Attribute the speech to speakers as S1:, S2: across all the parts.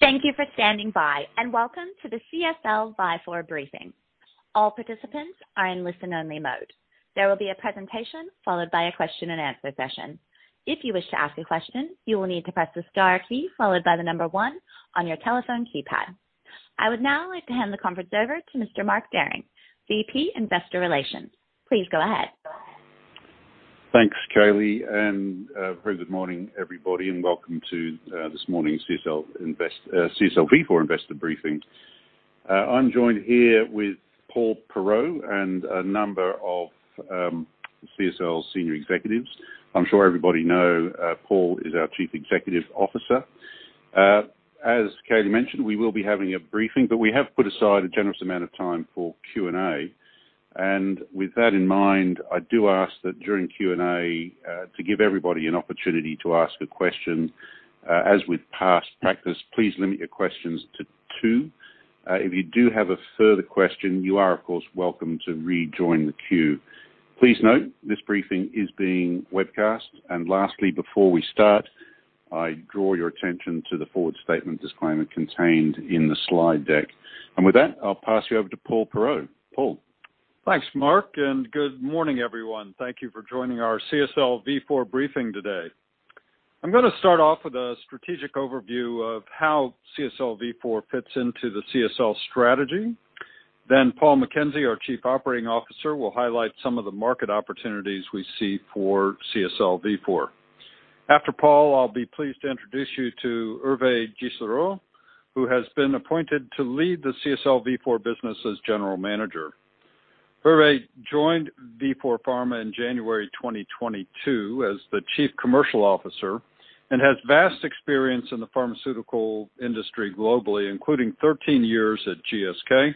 S1: Thank you for standing by, and welcome to the CSL Vifor briefing. All participants are in listen-only mode. There will be a presentation followed by a question-and-answer session. If you wish to ask a question, you will need to press the star key followed by the number one on your telephone keypad. I would now like to hand the conference over to Mr. Mark Hill, VP, Investor Relations. Please go ahead.
S2: Thanks, Kelly. Very good morning, everybody, and welcome to this morning's CSL Vifor Investor briefing. I'm joined here with Paul Perreault and a number of CSL senior executives. I'm sure everybody know Paul is our Chief Executive Officer. As Kelly mentioned, we will be having a briefing, but we have put aside a generous amount of time for Q&A. With that in mind, I do ask that during Q&A, to give everybody an opportunity to ask a question, as with past practice, please limit your questions to two. If you do have a further question, you are, of course, welcome to rejoin the queue. Please note, this briefing is being webcast. Lastly, before we start, I draw your attention to the forward-looking statement disclaimer contained in the slide deck. With that, I'll pass you over to Paul Perreault. Paul.
S3: Thanks, Mark, and good morning, everyone. Thank you for joining our CSL Vifor briefing today. I'm gonna start off with a strategic overview of how CSL Vifor fits into the CSL strategy. Then Paul McKenzie, our Chief Operating Officer, will highlight some of the market opportunities we see for CSL Vifor. After Paul, I'll be pleased to introduce you to Hervé Gisserot, who has been appointed to lead the CSL Vifor business as General Manager. Hervé joined Vifor Pharma in January 2022 as the Chief Commercial Officer and has vast experience in the pharmaceutical industry globally, including 13 years at GSK,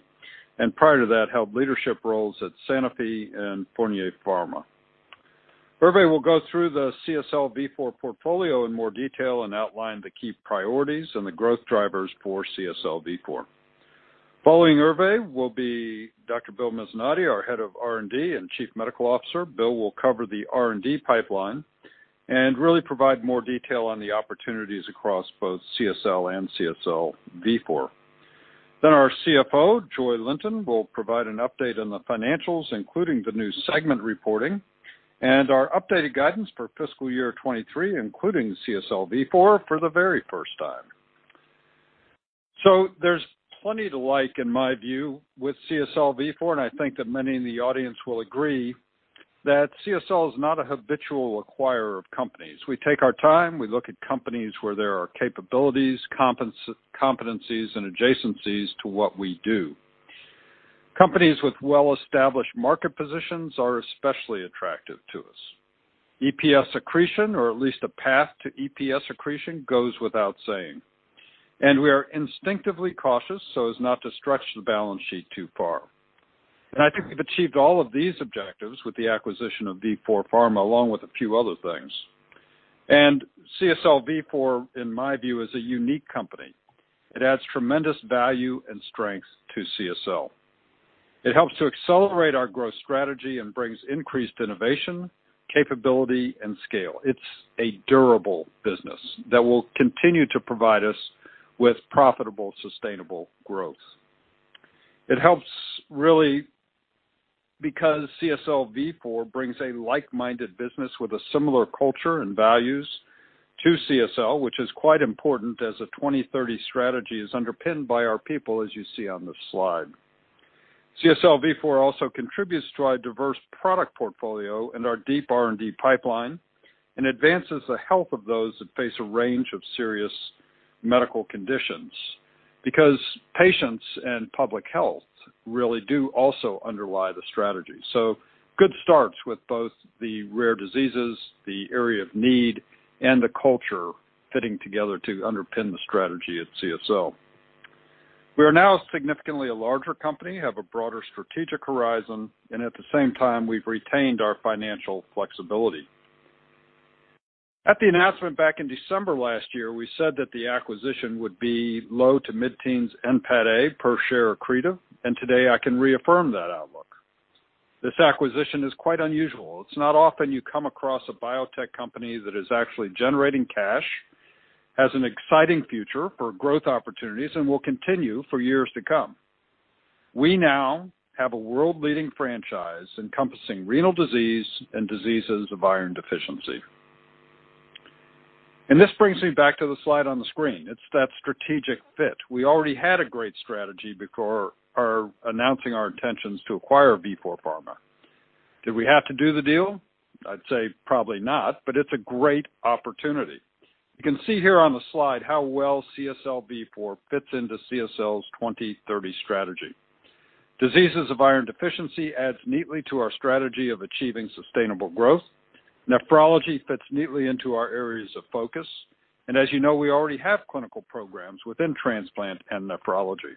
S3: and prior to that, held leadership roles at Sanofi and Fournier Pharma. Hervé will go through the CSL Vifor portfolio in more detail and outline the key priorities and the growth drivers for CSL Vifor. Following Hervé will be Dr. Bill Mezzanotte, our Head of R&D and Chief Medical Officer. Bill will cover the R&D pipeline and really provide more detail on the opportunities across both CSL and CSL Vifor. Then our CFO, Joy Linton, will provide an update on the financials, including the new segment reporting and our updated guidance for fiscal year 2023, including CSL Vifor for the very first time. There's plenty to like in my view with CSL Vifor, and I think that many in the audience will agree that CSL is not a habitual acquirer of companies. We take our time. We look at companies where there are capabilities, competencies, and adjacencies to what we do. Companies with well-established market positions are especially attractive to us. EPS accretion, or at least a path to EPS accretion, goes without saying. We are instinctively cautious so as not to stretch the balance sheet too far. I think we've achieved all of these objectives with the acquisition of Vifor Pharma, along with a few other things. CSL Vifor, in my view, is a unique company. It adds tremendous value and strength to CSL. It helps to accelerate our growth strategy and brings increased innovation, capability, and scale. It's a durable business that will continue to provide us with profitable, sustainable growth. It helps really because CSL Vifor brings a like-minded business with a similar culture and values to CSL, which is quite important as a 2030 strategy is underpinned by our people, as you see on this slide. CSL Vifor also contributes to our diverse product portfolio and our deep R&D pipeline and advances the health of those that face a range of serious medical conditions because patients and public health really do also underlie the strategy. Good starts with both the rare diseases, the area of need, and the culture fitting together to underpin the strategy at CSL. We are now significantly a larger company, have a broader strategic horizon, and at the same time, we've retained our financial flexibility. At the announcement back in December last year, we said that the acquisition would be low to mid-teens NPAT A per share accretive, and today I can reaffirm that outlook. This acquisition is quite unusual. It's not often you come across a biotech company that is actually generating cash, has an exciting future for growth opportunities, and will continue for years to come. We now have a world-leading franchise encompassing renal disease and diseases of iron deficiency. This brings me back to the slide on the screen. It's that strategic fit. We already had a great strategy before our. Announcing our intentions to acquire Vifor Pharma. Did we have to do the deal? I'd say probably not, but it's a great opportunity. You can see here on the slide how well CSL Vifor fits into CSL's 2030 strategy. Diseases of iron deficiency adds neatly to our strategy of achieving sustainable growth. Nephrology fits neatly into our areas of focus. As you know, we already have clinical programs within transplant and nephrology.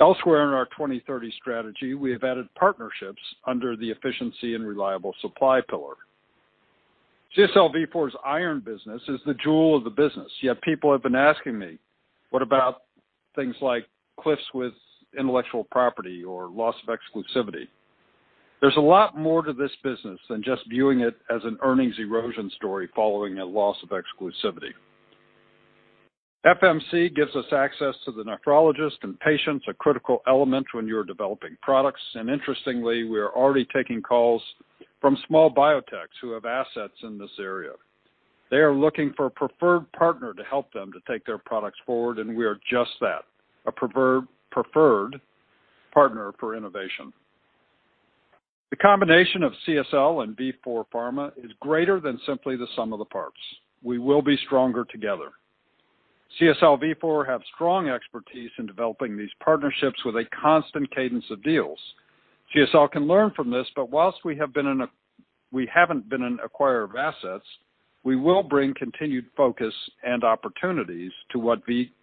S3: Elsewhere in our 2030 strategy, we have added partnerships under the efficiency and reliable supply pillar. CSL Vifor's iron business is the jewel of the business, yet people have been asking me, "What about things like cliffs with intellectual property or loss of exclusivity?" There's a lot more to this business than just viewing it as an earnings erosion story following a loss of exclusivity. FMC gives us access to the nephrologist and patients, a critical element when you're developing products. Interestingly, we are already taking calls from small biotechs who have assets in this area. They are looking for a preferred partner to help them to take their products forward, and we are just that, a preferred partner for innovation. The combination of CSL and Vifor Pharma is greater than simply the sum of the parts. We will be stronger together. CSL Vifor have strong expertise in developing these partnerships with a constant cadence of deals. CSL can learn from this, but whilst we have been we haven't been an acquirer of assets, we will bring continued focus and opportunities to what CSL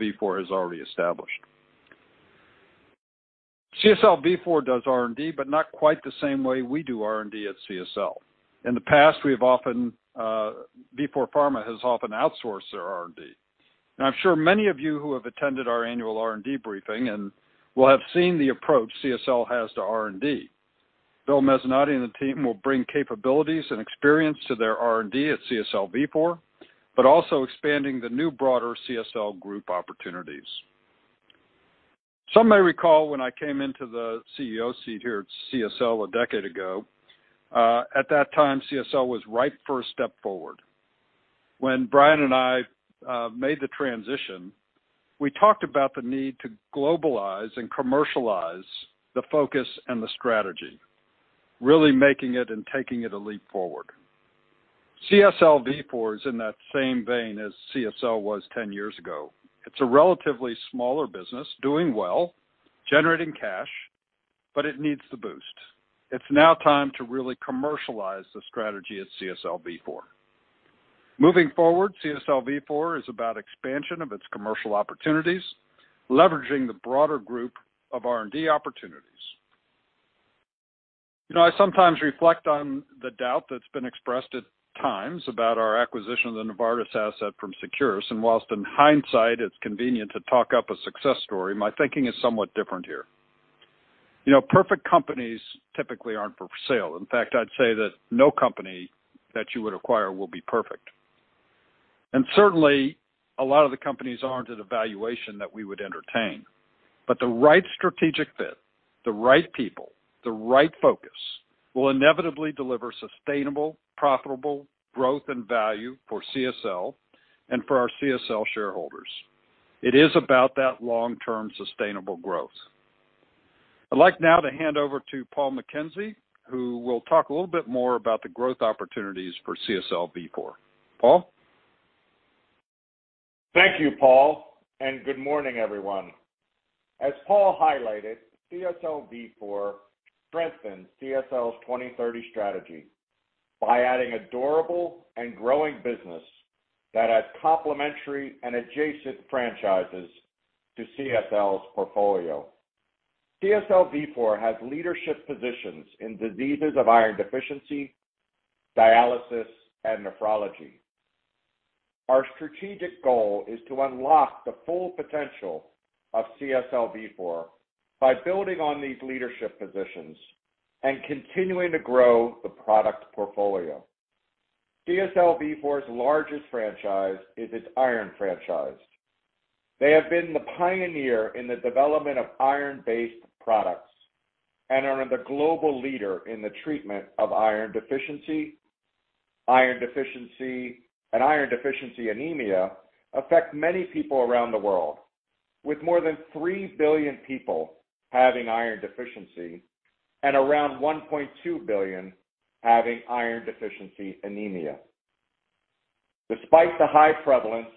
S3: Vifor has already established. CSL Vifor does R&D, but not quite the same way we do R&D at CSL. In the past, Vifor Pharma has often outsourced their R&D. Now, I'm sure many of you who have attended our annual R&D briefing and will have seen the approach CSL has to R&D. Bill Mezzanotte and the team will bring capabilities and experience to their R&D at CSL Vifor, but also expanding the new broader CSL group opportunities. Some may recall when I came into the CEO seat here at CSL a decade ago, at that time, CSL was ripe for a step forward. When Brian and I made the transition, we talked about the need to globalize and commercialize the focus and the strategy, really making it and taking it a leap forward. CSL Vifor is in that same vein as CSL was 10 years ago. It's a relatively smaller business, doing well, generating cash, but it needs the boost. It's now time to really commercialize the strategy at CSL Vifor. Moving forward, CSL Vifor is about expansion of its commercial opportunities, leveraging the broader group of R&D opportunities. You know, I sometimes reflect on the doubt that's been expressed at times about our acquisition of the Novartis asset from Seqirus. While in hindsight it's convenient to talk up a success story, my thinking is somewhat different here. You know, perfect companies typically aren't for sale. In fact, I'd say that no company that you would acquire will be perfect. Certainly, a lot of the companies aren't at a valuation that we would entertain. The right strategic fit, the right people, the right focus, will inevitably deliver sustainable, profitable growth and value for CSL and for our CSL shareholders. It is about that long-term sustainable growth. I'd like now to hand over to Paul McKenzie, who will talk a little bit more about the growth opportunities for CSL Vifor. Paul?
S4: Thank you, Paul, and good morning, everyone. As Paul highlighted, CSL Vifor strengthens CSL's 2030 strategy by adding a durable and growing business that adds complementary and adjacent franchises to CSL's portfolio. CSL Vifor has leadership positions in diseases of iron deficiency, dialysis, and nephrology. Our strategic goal is to unlock the full potential of CSL Vifor by building on these leadership positions and continuing to grow the product portfolio. CSL Vifor's largest franchise is its iron franchise. They have been the pioneer in the development of iron-based products and are the global leader in the treatment of iron deficiency. Iron deficiency and iron deficiency anemia affect many people around the world, with more than 3 billion people having iron deficiency and around 1.2 billion having iron deficiency anemia. Despite the high prevalence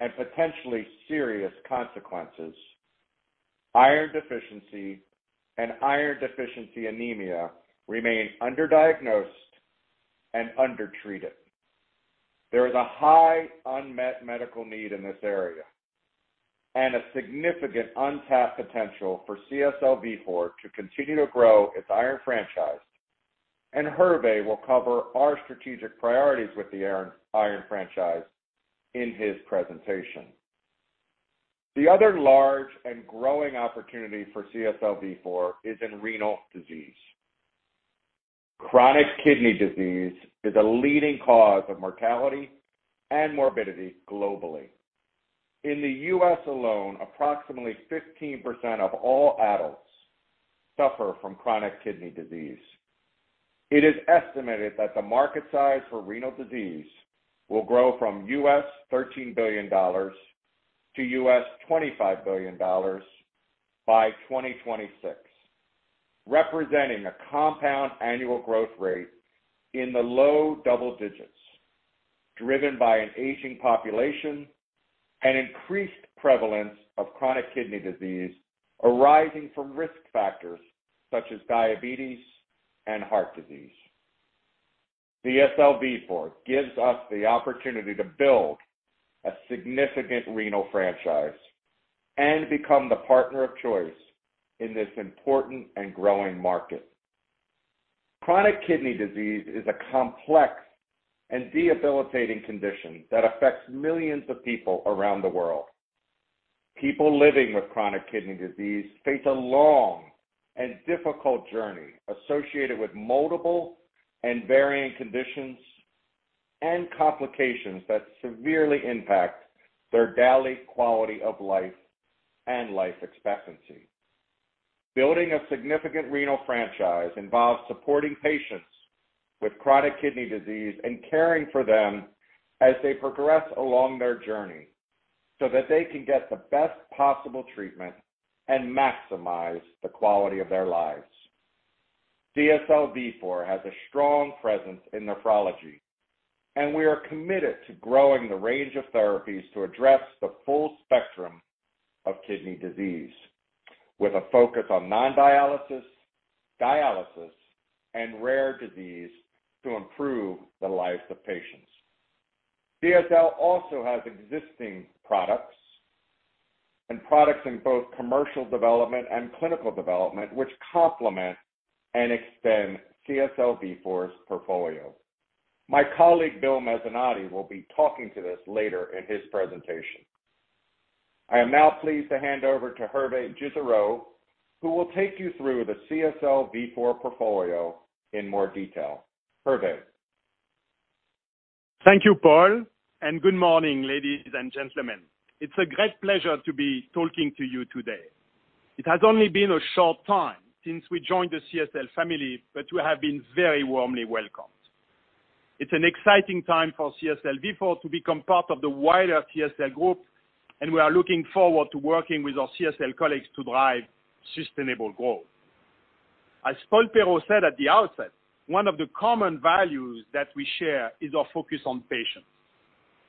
S4: and potentially serious consequences, iron deficiency and iron deficiency anemia remain underdiagnosed and undertreated. There is a high unmet medical need in this area and a significant untapped potential for CSL Vifor to continue to grow its iron franchise, and Hervé will cover our strategic priorities with the iron franchise in his presentation. The other large and growing opportunity for CSL Vifor is in renal disease. Chronic kidney disease is a leading cause of mortality and morbidity globally. In the U.S. alone, approximately 15% of all adults suffer from chronic kidney disease. It is estimated that the market size for renal disease will grow from $13 billion-$25 billion by 2026, representing a compound annual growth rate in the low double digits, driven by an aging population and increased prevalence of chronic kidney disease arising from risk factors such as diabetes and heart disease. CSL Vifor gives us the opportunity to build a significant renal franchise and become the partner of choice in this important and growing market. Chronic kidney disease is a complex and debilitating condition that affects millions of people around the world. People living with chronic kidney disease face a long and difficult journey associated with multiple and varying conditions and complications that severely impact their daily quality of life and life expectancy. Building a significant renal franchise involves supporting patients with chronic kidney disease and caring for them as they progress along their journey so that they can get the best possible treatment and maximize the quality of their lives. CSL Vifor has a strong presence in nephrology, and we are committed to growing the range of therapies to address the full spectrum of kidney disease, with a focus on non-dialysis, dialysis, and rare disease to improve the lives of patients. CSL also has existing products and products in both commercial development and clinical development, which complement and extend CSL Vifor's portfolio. My colleague, Bill Mezzanotte, will be talking to this later in his presentation. I am now pleased to hand over to Hervé Gisserot, who will take you through the CSL Vifor portfolio in more detail. Hervé.
S5: Thank you, Paul, and good morning, ladies and gentlemen. It's a great pleasure to be talking to you today. It has only been a short time since we joined the CSL family, but we have been very warmly welcomed. It's an exciting time for CSL Vifor to become part of the wider CSL group, and we are looking forward to working with our CSL colleagues to drive sustainable growth. As Paul Perreault said at the outset, one of the common values that we share is our focus on patients.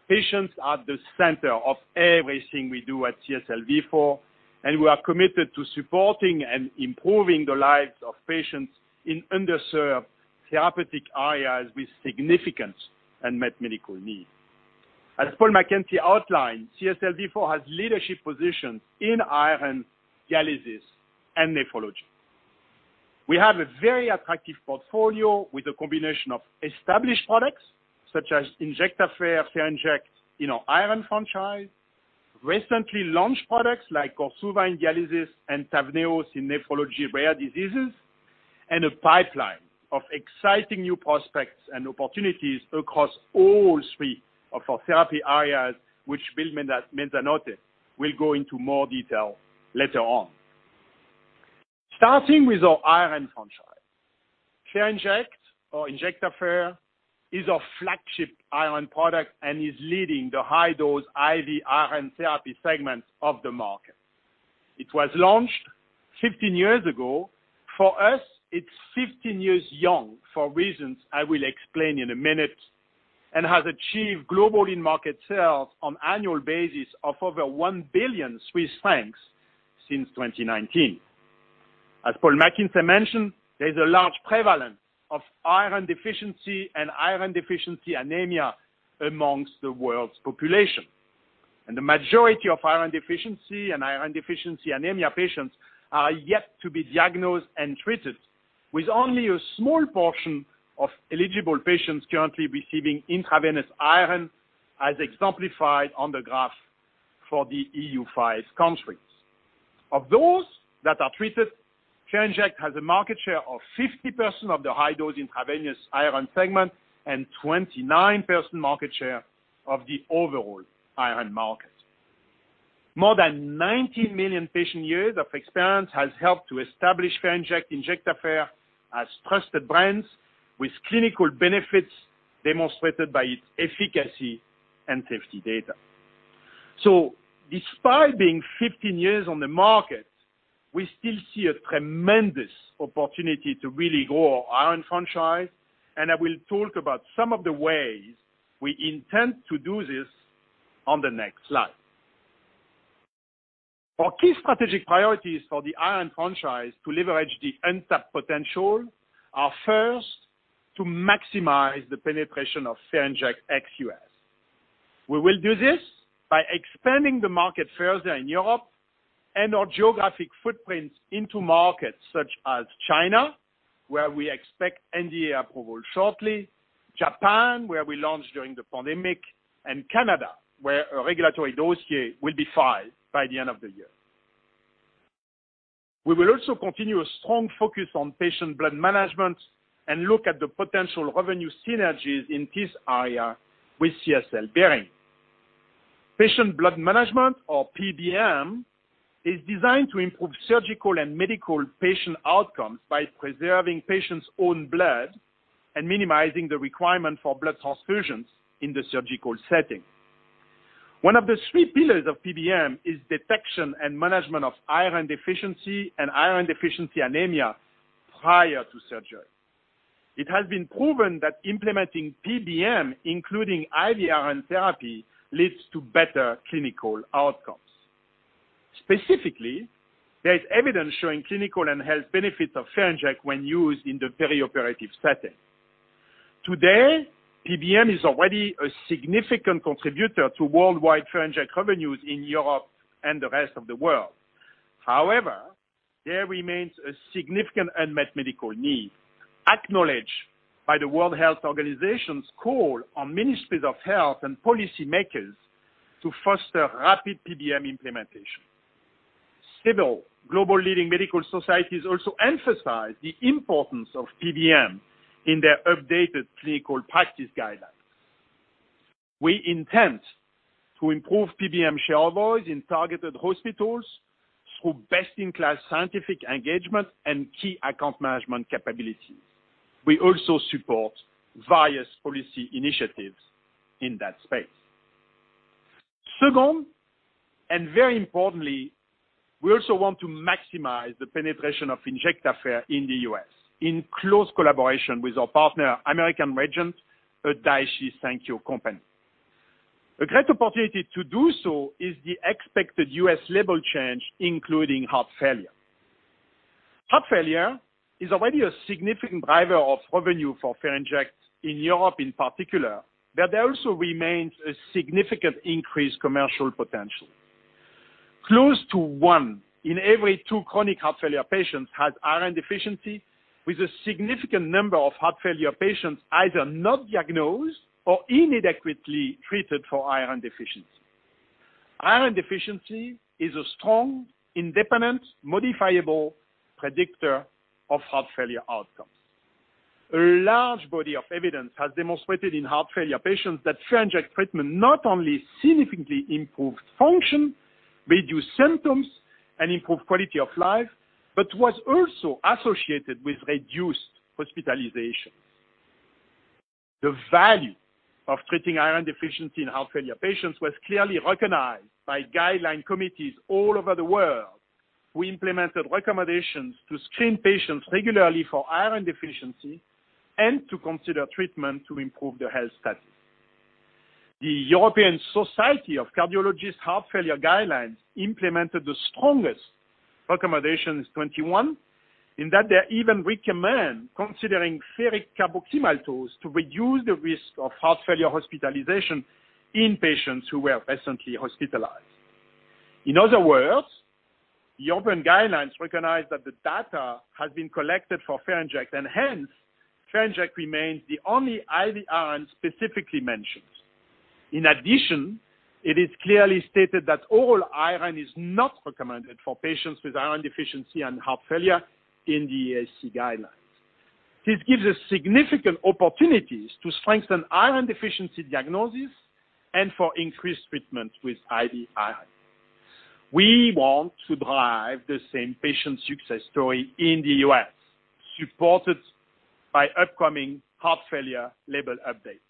S5: Patients are the center of everything we do at CSL Vifor, and we are committed to supporting and improving the lives of patients in underserved therapeutic areas with significant unmet medical needs. As Paul McKenzie outlined, CSL Vifor has leadership positions in iron, dialysis, and nephrology. We have a very attractive portfolio with a combination of established products such as Injectafer, Ferinject in our iron franchise, recently launched products like Korsuva in dialysis and TAVNEOS in nephrology rare diseases, and a pipeline of exciting new prospects and opportunities across all three of our therapy areas, which Bill Mezzanotte will go into more detail later on. Starting with our iron franchise. Ferinject or Injectafer is our flagship iron product and is leading the high-dose IV iron therapy segment of the market. It was launched 15 years ago. For us, it's 15 years young for reasons I will explain in a minute, and has achieved global in-market sales on annual basis of over 1 billion Swiss francs since 2019. As Paul McKenzie mentioned, there's a large prevalence of iron deficiency and iron deficiency anemia among the world's population. The majority of iron deficiency and iron deficiency anemia patients are yet to be diagnosed and treated, with only a small portion of eligible patients currently receiving intravenous iron, as exemplified on the graph for the EU5 countries. Of those that are treated, Ferinject has a market share of 50% of the high-dose intravenous iron segment and 29% market share of the overall iron market. More than 90 million patient years of experience has helped to establish Ferinject, Injectafer as trusted brands with clinical benefits demonstrated by its efficacy and safety data. Despite being 15 years on the market, we still see a tremendous opportunity to really grow our iron franchise, and I will talk about some of the ways we intend to do this on the next slide. Our key strategic priorities for the iron franchise to leverage the untapped potential are first to maximize the penetration of Ferinject ex U.S. We will do this by expanding the market further in Europe and our geographic footprints into markets such as China, where we expect NDA approval shortly, Japan, where we launched during the pandemic, and Canada, where a regulatory dossier will be filed by the end of the year. We will also continue a strong focus on patient blood management and look at the potential revenue synergies in this area with CSL Behring. Patient blood management or PBM is designed to improve surgical and medical patient outcomes by preserving patient's own blood and minimizing the requirement for blood transfusions in the surgical setting. One of the three pillars of PBM is detection and management of iron deficiency and iron deficiency anemia prior to surgery. It has been proven that implementing PBM, including IV iron therapy, leads to better clinical outcomes. Specifically, there is evidence showing clinical and health benefits of Ferinject when used in the perioperative setting. Today, PBM is already a significant contributor to worldwide Ferinject revenues in Europe and the rest of the world. However, there remains a significant unmet medical need acknowledged by the World Health Organization's call on ministries of health and policymakers to foster rapid PBM implementation. Several global leading medical societies also emphasize the importance of PBM in their updated clinical practice guidelines. We intend to improve PBM share voice in targeted hospitals through best-in-class scientific engagement and key account management capabilities. We also support various policy initiatives in that space. Second, and very importantly, we also want to maximize the penetration of Injectafer in the U.S. in close collaboration with our partner, American Regent, a Daiichi Sankyo company. A great opportunity to do so is the expected U.S. label change, including heart failure. Heart failure is already a significant driver of revenue for Ferinject in Europe in particular, but there also remains a significant increased commercial potential. Close to one in every two chronic heart failure patients has iron deficiency, with a significant number of heart failure patients either not diagnosed or inadequately treated for iron deficiency. Iron deficiency is a strong, independent, modifiable predictor of heart failure outcomes. A large body of evidence has demonstrated in heart failure patients that Ferinject treatment not only significantly improved function, reduced symptoms, and improved quality of life, but was also associated with reduced hospitalizations. The value of treating iron deficiency in heart failure patients was clearly recognized by guideline committees all over the world who implemented recommendations to screen patients regularly for iron deficiency and to consider treatment to improve their health status. The European Society of Cardiology's heart failure guidelines implemented the strongest recommendations in 2021, in that they even recommend considering ferric carboxymaltose to reduce the risk of heart failure hospitalization in patients who were recently hospitalized. In other words, the open guidelines recognize that the data has been collected for Ferinject, and hence, Ferinject remains the only IV iron specifically mentioned. In addition, it is clearly stated that oral iron is not recommended for patients with iron deficiency and heart failure in the ESC guidelines. This gives us significant opportunities to strengthen iron deficiency diagnosis and for increased treatment with IV iron. We want to drive the same patient success story in the U.S., supported by upcoming heart failure label updates.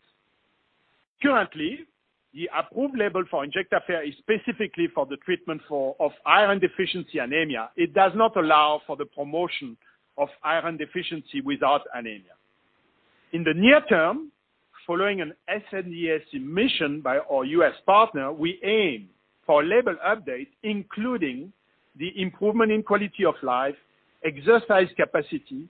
S5: Currently, the approved label for Injectafer is specifically for the treatment of iron deficiency anemia. It does not allow for the promotion of iron deficiency without anemia. In the near term, following an sNDA submission by our U.S. partner, we aim for label updates, including the improvement in quality of life, exercise capacity,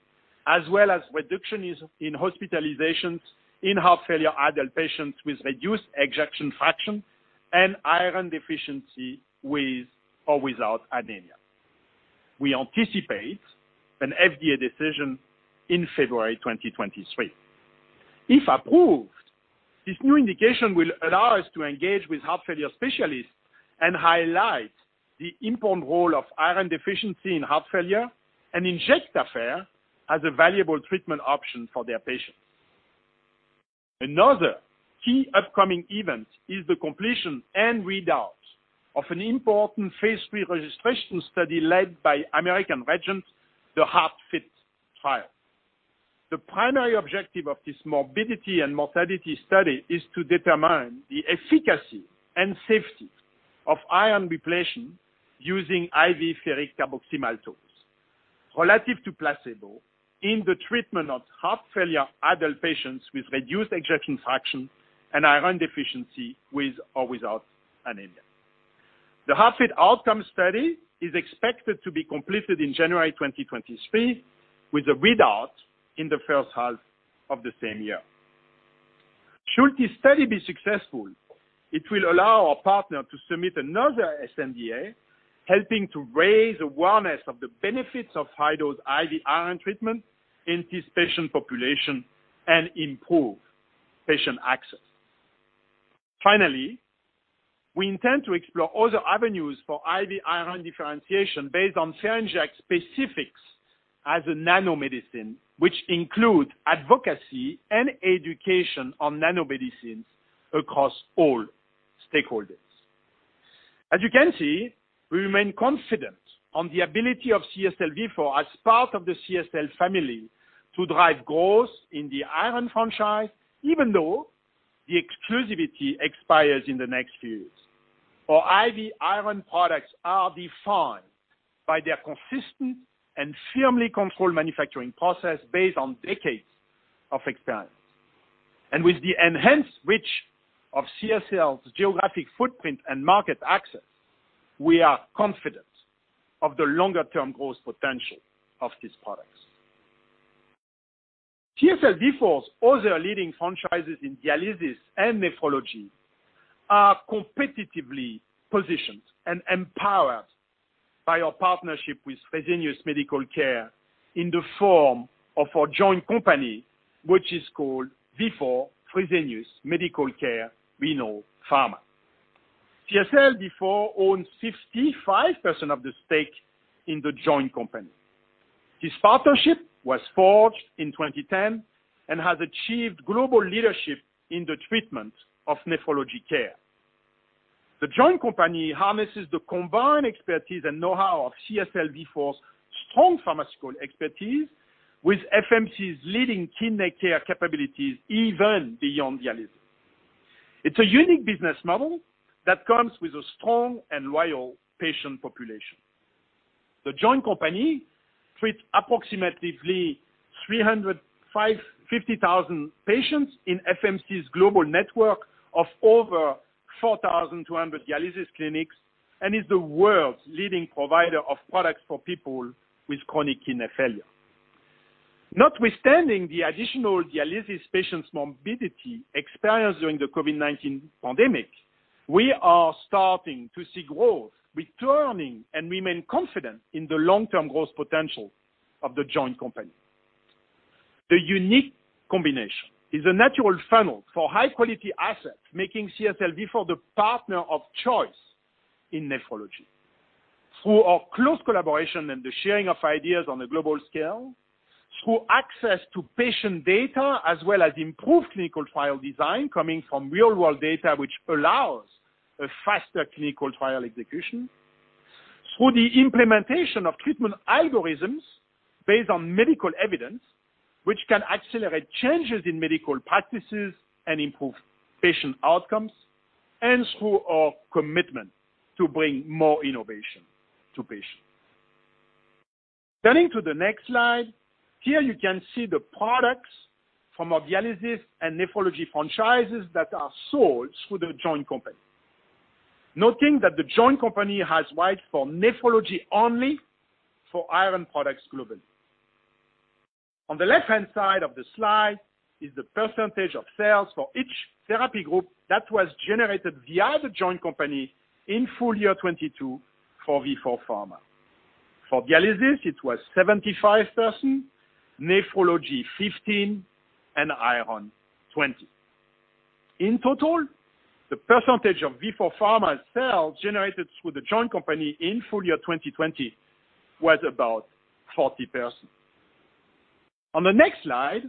S5: as well as reduction in hospitalizations in heart failure adult patients with reduced ejection fraction and iron deficiency with or without anemia. We anticipate an FDA decision in February 2023. If approved, this new indication will allow us to engage with heart failure specialists and highlight the important role of iron deficiency in heart failure and Injectafer as a valuable treatment option for their patients. Another key upcoming event is the completion and readout of an important phase III registration study led by American Regent, the HEART-FID trial. The primary objective of this morbidity and mortality study is to determine the efficacy and safety of iron repletion using IV ferric carboxymaltose relative to placebo in the treatment of heart failure adult patients with reduced ejection fraction and iron deficiency with or without anemia. The HEART-FID outcome study is expected to be completed in January 2023, with a readout in the first half of the same year. Should this study be successful, it will allow our partner to submit another sNDA, helping to raise awareness of the benefits of high-dose IV iron treatment in this patient population and improve patient access. Finally, we intend to explore other avenues for IV iron differentiation based on Ferinject specifics as a nanomedicine, which include advocacy and education on nanomedicines across all stakeholders. As you can see, we remain confident on the ability of CSL Vifor as part of the CSL family to drive growth in the iron franchise, even though the exclusivity expires in the next few years. Our IV iron products are defined by their consistent and firmly controlled manufacturing process based on decades of experience. With the enhanced reach of CSL's geographic footprint and market access, we are confident of the longer-term growth potential of these products. CSL Vifor's other leading franchises in dialysis and nephrology are competitively positioned and empowered by our partnership with Fresenius Medical Care in the form of a joint company, which is called Vifor Fresenius Medical Care Renal Pharma. CSL Vifor owns 65% of the stake in the joint company. This partnership was forged in 2010 and has achieved global leadership in the treatment of nephrology care. The joint company harnesses the combined expertise and know-how of CSL Vifor's strong pharmaceutical expertise with FMC's leading kidney care capabilities, even beyond dialysis. It's a unique business model that comes with a strong and loyal patient population. The joint company treats approximately 350,000 patients in FMC's global network of over 4,200 dialysis clinics and is the world's leading provider of products for people with chronic kidney failure. Notwithstanding the additional dialysis patients morbidity experienced during the COVID-19 pandemic, we are starting to see growth returning and remain confident in the long-term growth potential of the joint company. The unique combination is a natural funnel for high-quality assets, making CSL Vifor the partner of choice in nephrology. Through our close collaboration and the sharing of ideas on a global scale, through access to patient data as well as improved clinical trial design coming from real-world data which allows a faster clinical trial execution. Through the implementation of treatment algorithms based on medical evidence, which can accelerate changes in medical practices and improve patient outcomes, and through our commitment to bring more innovation to patients. Turning to the next slide, here you can see the products from our dialysis and nephrology franchises that are sold through the joint company. Noting that the joint company has rights for nephrology only for iron products globally. On the left-hand side of the slide is the percentage of sales for each therapy group that was generated via the joint company in full year 2022 for Vifor Pharma. For dialysis, it was 75%, nephrology 15%, and iron 20%. In total, the percentage of Vifor Pharma sales generated through the joint company in full year 2020 was about 40%. On the next slide,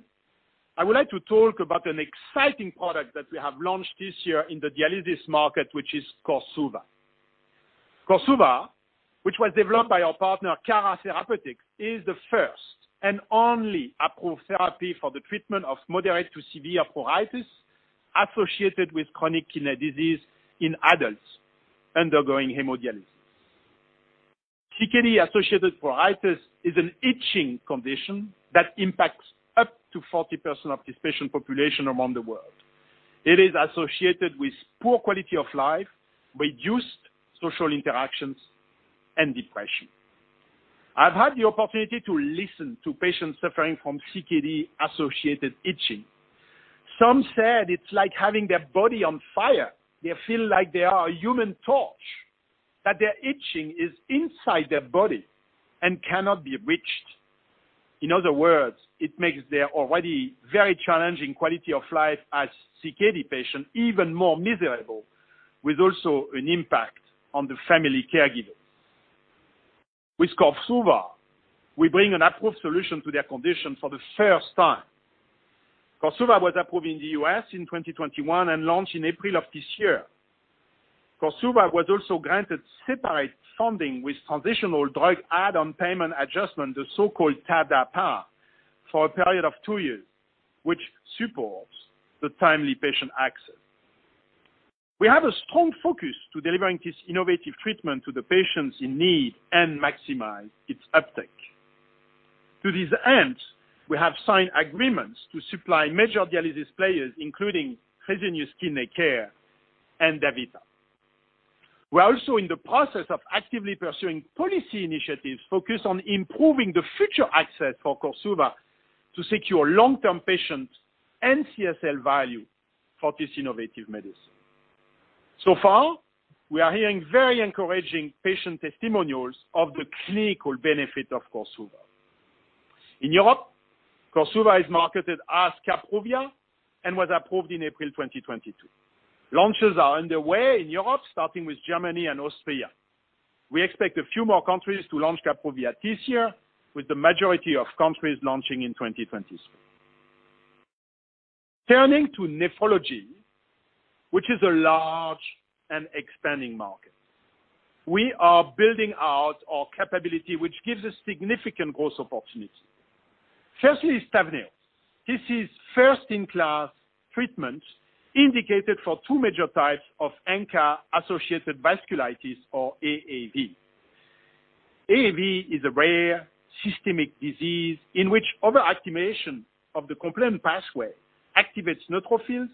S5: I would like to talk about an exciting product that we have launched this year in the dialysis market, which is Korsuva. Korsuva, which was developed by our partner Cara Therapeutics, is the first and only approved therapy for the treatment of moderate to severe pruritus associated with chronic kidney disease in adults undergoing hemodialysis. CKD-associated pruritus is an itching condition that impacts up to 40% of this patient population around the world. It is associated with poor quality of life, reduced social interactions, and depression. I've had the opportunity to listen to patients suffering from CKD-associated itching. Some said it's like having their body on fire. They feel like they are a human torch, that their itching is inside their body and cannot be reached. In other words, it makes their already very challenging quality of life as CKD patients even more miserable, with also an impact on the family caregivers. With Korsuva, we bring an approved solution to their condition for the first time. Korsuva was approved in the U.S. in 2021 and launched in April of this year. Korsuva was also granted separate funding with Transitional Drug Add-On Payment Adjustment, the so-called TDAPA, for a period of two years, which supports the timely patient access. We have a strong focus to delivering this innovative treatment to the patients in need and maximize its uptake. To this end, we have signed agreements to supply major dialysis players, including Fresenius Kidney Care and DaVita. We are also in the process of actively pursuing policy initiatives focused on improving the future access for Korsuva to secure long-term patients and CSL value for this innovative medicine. So far, we are hearing very encouraging patient testimonials of the clinical benefit of Korsuva. In Europe, Korsuva is marketed as Kapruvia and was approved in April 2022. Launches are underway in Europe, starting with Germany and Austria. We expect a few more countries to launch Kapruvia this year, with the majority of countries launching in 2023. Turning to nephrology, which is a large and expanding market, we are building out our capability, which gives us significant growth opportunity. Firstly, sparsentan. This is first-in-class treatment indicated for two major types of ANCA-associated vasculitis, or AAV. AAV is a rare systemic disease in which overactivation of the complement pathway activates neutrophils.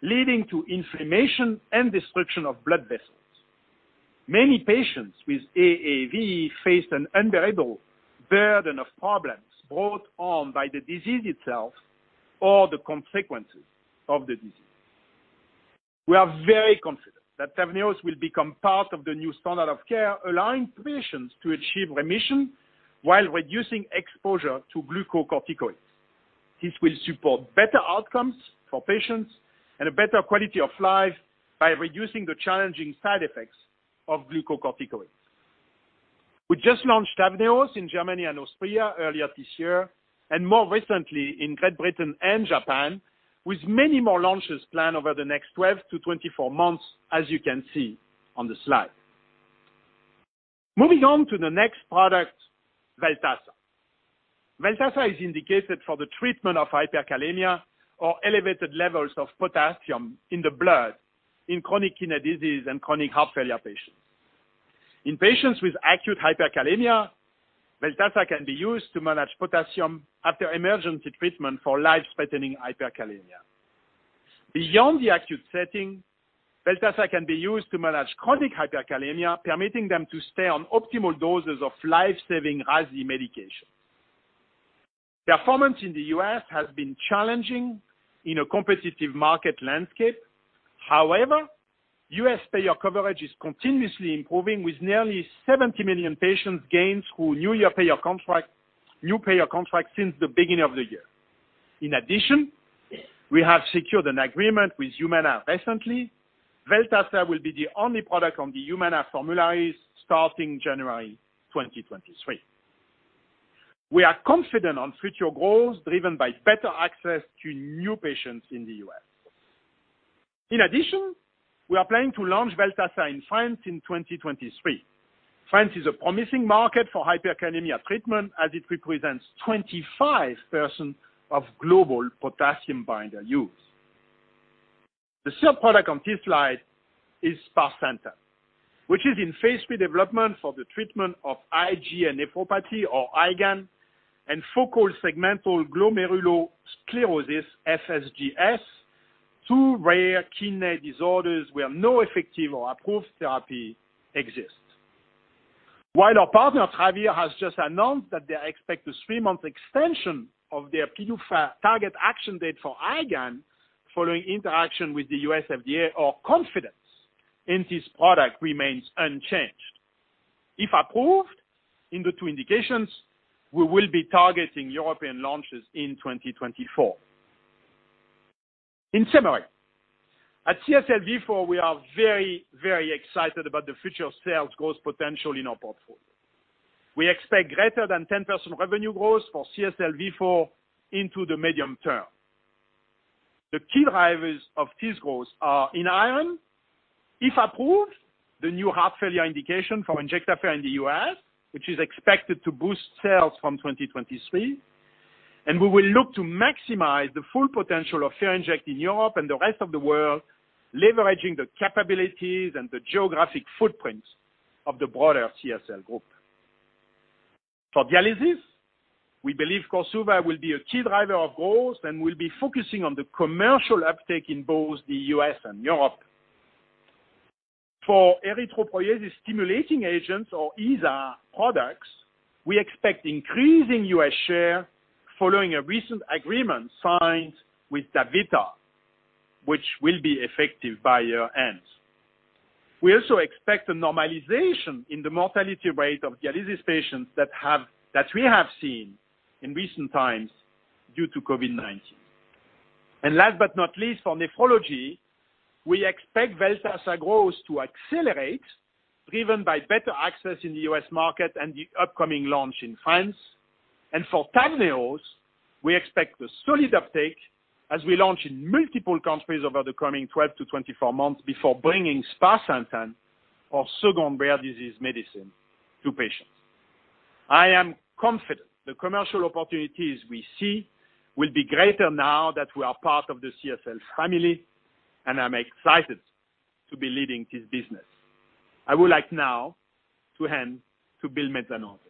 S5: Leading to inflammation and destruction of blood vessels. Many patients with AAV face an unbearable burden of problems brought on by the disease itself or the consequences of the disease. We are very confident that TAVNEOS will become part of the new standard of care, allowing patients to achieve remission while reducing exposure to glucocorticoids. This will support better outcomes for patients and a better quality of life by reducing the challenging side effects of glucocorticoids. We just launched TAVNEOS in Germany and Austria earlier this year, and more recently in Great Britain and Japan, with many more launches planned over the next 12 months-24 months, as you can see on the slide. Moving on to the next product, Veltassa. Veltassa is indicated for the treatment of hyperkalemia or elevated levels of potassium in the blood in chronic kidney disease and chronic heart failure patients. In patients with acute hyperkalemia, Veltassa can be used to manage potassium after emergency treatment for life-threatening hyperkalemia. Beyond the acute setting, Veltassa can be used to manage chronic hyperkalemia, permitting them to stay on optimal doses of life-saving RAAS medication. Performance in the U.S. has been challenging in a competitive market landscape. However, U.S. payer coverage is continuously improving, with nearly 70 million patients gained through new year payer contract, new payer contract since the beginning of the year. In addition, we have secured an agreement with Humana recently. Veltassa will be the only product on the Humana formularies starting January 2023. We are confident on future growth, driven by better access to new patients in the U.S. In addition, we are planning to launch Veltassa in France in 2023. France is a promising market for hyperkalemia treatment, as it represents 25% of global potassium binder use. The third product on this slide is sparsentan, which is in phase III development for the treatment of IgA nephropathy or IgAN and focal segmental glomerulosclerosis, FSGS, two rare kidney disorders where no effective or approved therapy exists. While our partner, Travere, has just announced that they expect a three-month extension of their PDUFA target action date for IgAN following interaction with the U.S. FDA, our confidence in this product remains unchanged. If approved in the two indications, we will be targeting European launches in 2024. In summary, at CSL Vifor, we are very, very excited about the future sales growth potential in our portfolio. We expect greater than 10% revenue growth for CSL Vifor into the medium term. The key drivers of this growth are in iron. If approved, the new heart failure indication for Injectafer in the U.S., which is expected to boost sales from 2023. We will look to maximize the full potential of Ferinject in Europe and the rest of the world, leveraging the capabilities and the geographic footprints of the broader CSL group. For dialysis, we believe Korsuva will be a key driver of growth, and we'll be focusing on the commercial uptake in both the U.S. and Europe. For erythropoiesis-stimulating agents or ESA products, we expect increasing U.S. share following a recent agreement signed with DaVita, which will be effective by year-end. We also expect a normalization in the mortality rate of dialysis patients that we have seen in recent times due to COVID-19. Last but not least, for nephrology, we expect Veltassa growth to accelerate, driven by better access in the U.S. market and the upcoming launch in France. For TAVNEOS, we expect a solid uptake as we launch in multiple countries over the coming 12 months-24 months before bringing sparsentan, our second rare disease medicine, to patients. I am confident the commercial opportunities we see will be greater now that we are part of the CSL family, and I'm excited to be leading this business. I would like now to hand over to Bill Mezzanotte.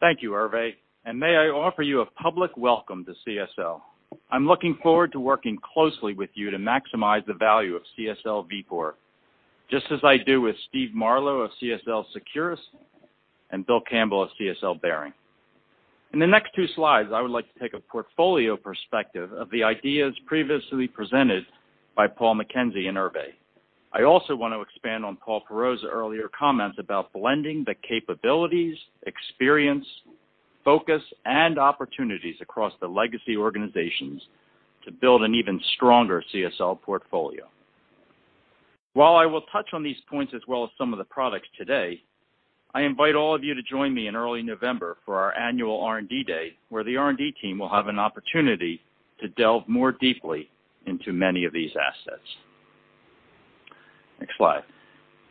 S6: Thank you, Hervé, and may I offer you a public welcome to CSL. I'm looking forward to working closely with you to maximize the value of CSL Vifor, just as I do with Steve Marlow of CSL Seqirus and Bill Campbell of CSL Behring. In the next two slides, I would like to take a portfolio perspective of the ideas previously presented by Paul McKenzie and Hervé. I also want to expand on Paul Perreault's earlier comments about blending the capabilities, experience, focus, and opportunities across the legacy organizations to build an even stronger CSL portfolio. While I will touch on these points as well as some of the products today, I invite all of you to join me in early November for our annual R&D day, where the R&D team will have an opportunity to delve more deeply into many of these assets. Next slide.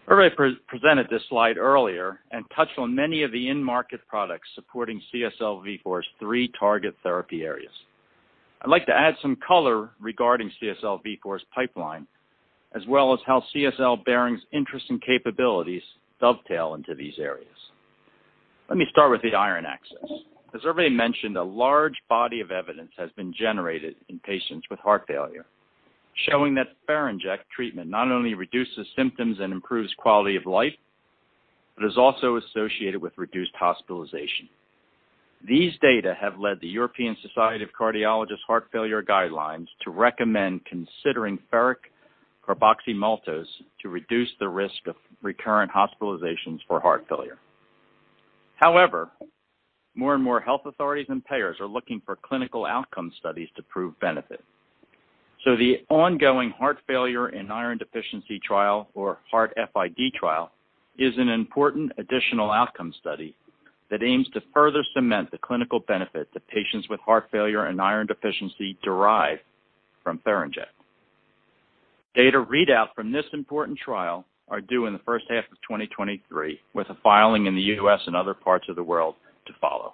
S6: Hervé presented this slide earlier and touched on many of the end market products supporting CSL Vifor's three target therapy areas. I'd like to add some color regarding CSL Vifor's pipeline, as well as how CSL Behring's interest and capabilities dovetail into these areas. Let me start with the iron axis. As Hervé mentioned, a large body of evidence has been generated in patients with heart failure, showing that Ferinject treatment not only reduces symptoms and improves quality of life, but is also associated with reduced hospitalization. These data have led the European Society of Cardiology's heart failure guidelines to recommend considering ferric carboxymaltose to reduce the risk of recurrent hospitalizations for heart failure. However, more and more health authorities and payers are looking for clinical outcome studies to prove benefit. The ongoing heart failure with iron deficiency trial, or HEART-FID trial, is an important additional outcome study that aims to further cement the clinical benefit that patients with heart failure and iron deficiency derive from Ferinject. Data readout from this important trial are due in the first half of 2023, with a filing in the U.S. and other parts of the world to follow.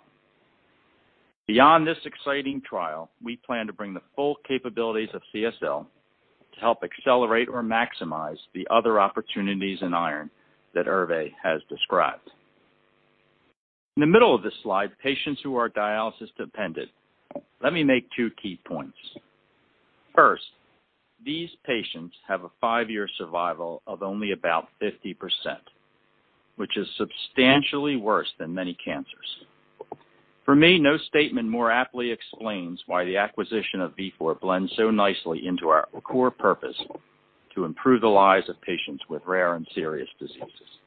S6: Beyond this exciting trial, we plan to bring the full capabilities of CSL to help accelerate or maximize the other opportunities in iron that Hervé has described. In the middle of this slide, patients who are dialysis-dependent. Let me make two key points. First, these patients have a five-year survival of only about 50%, which is substantially worse than many cancers. For me, no statement more aptly explains why the acquisition of Vifor blends so nicely into our core purpose to improve the lives of patients with rare and serious diseases.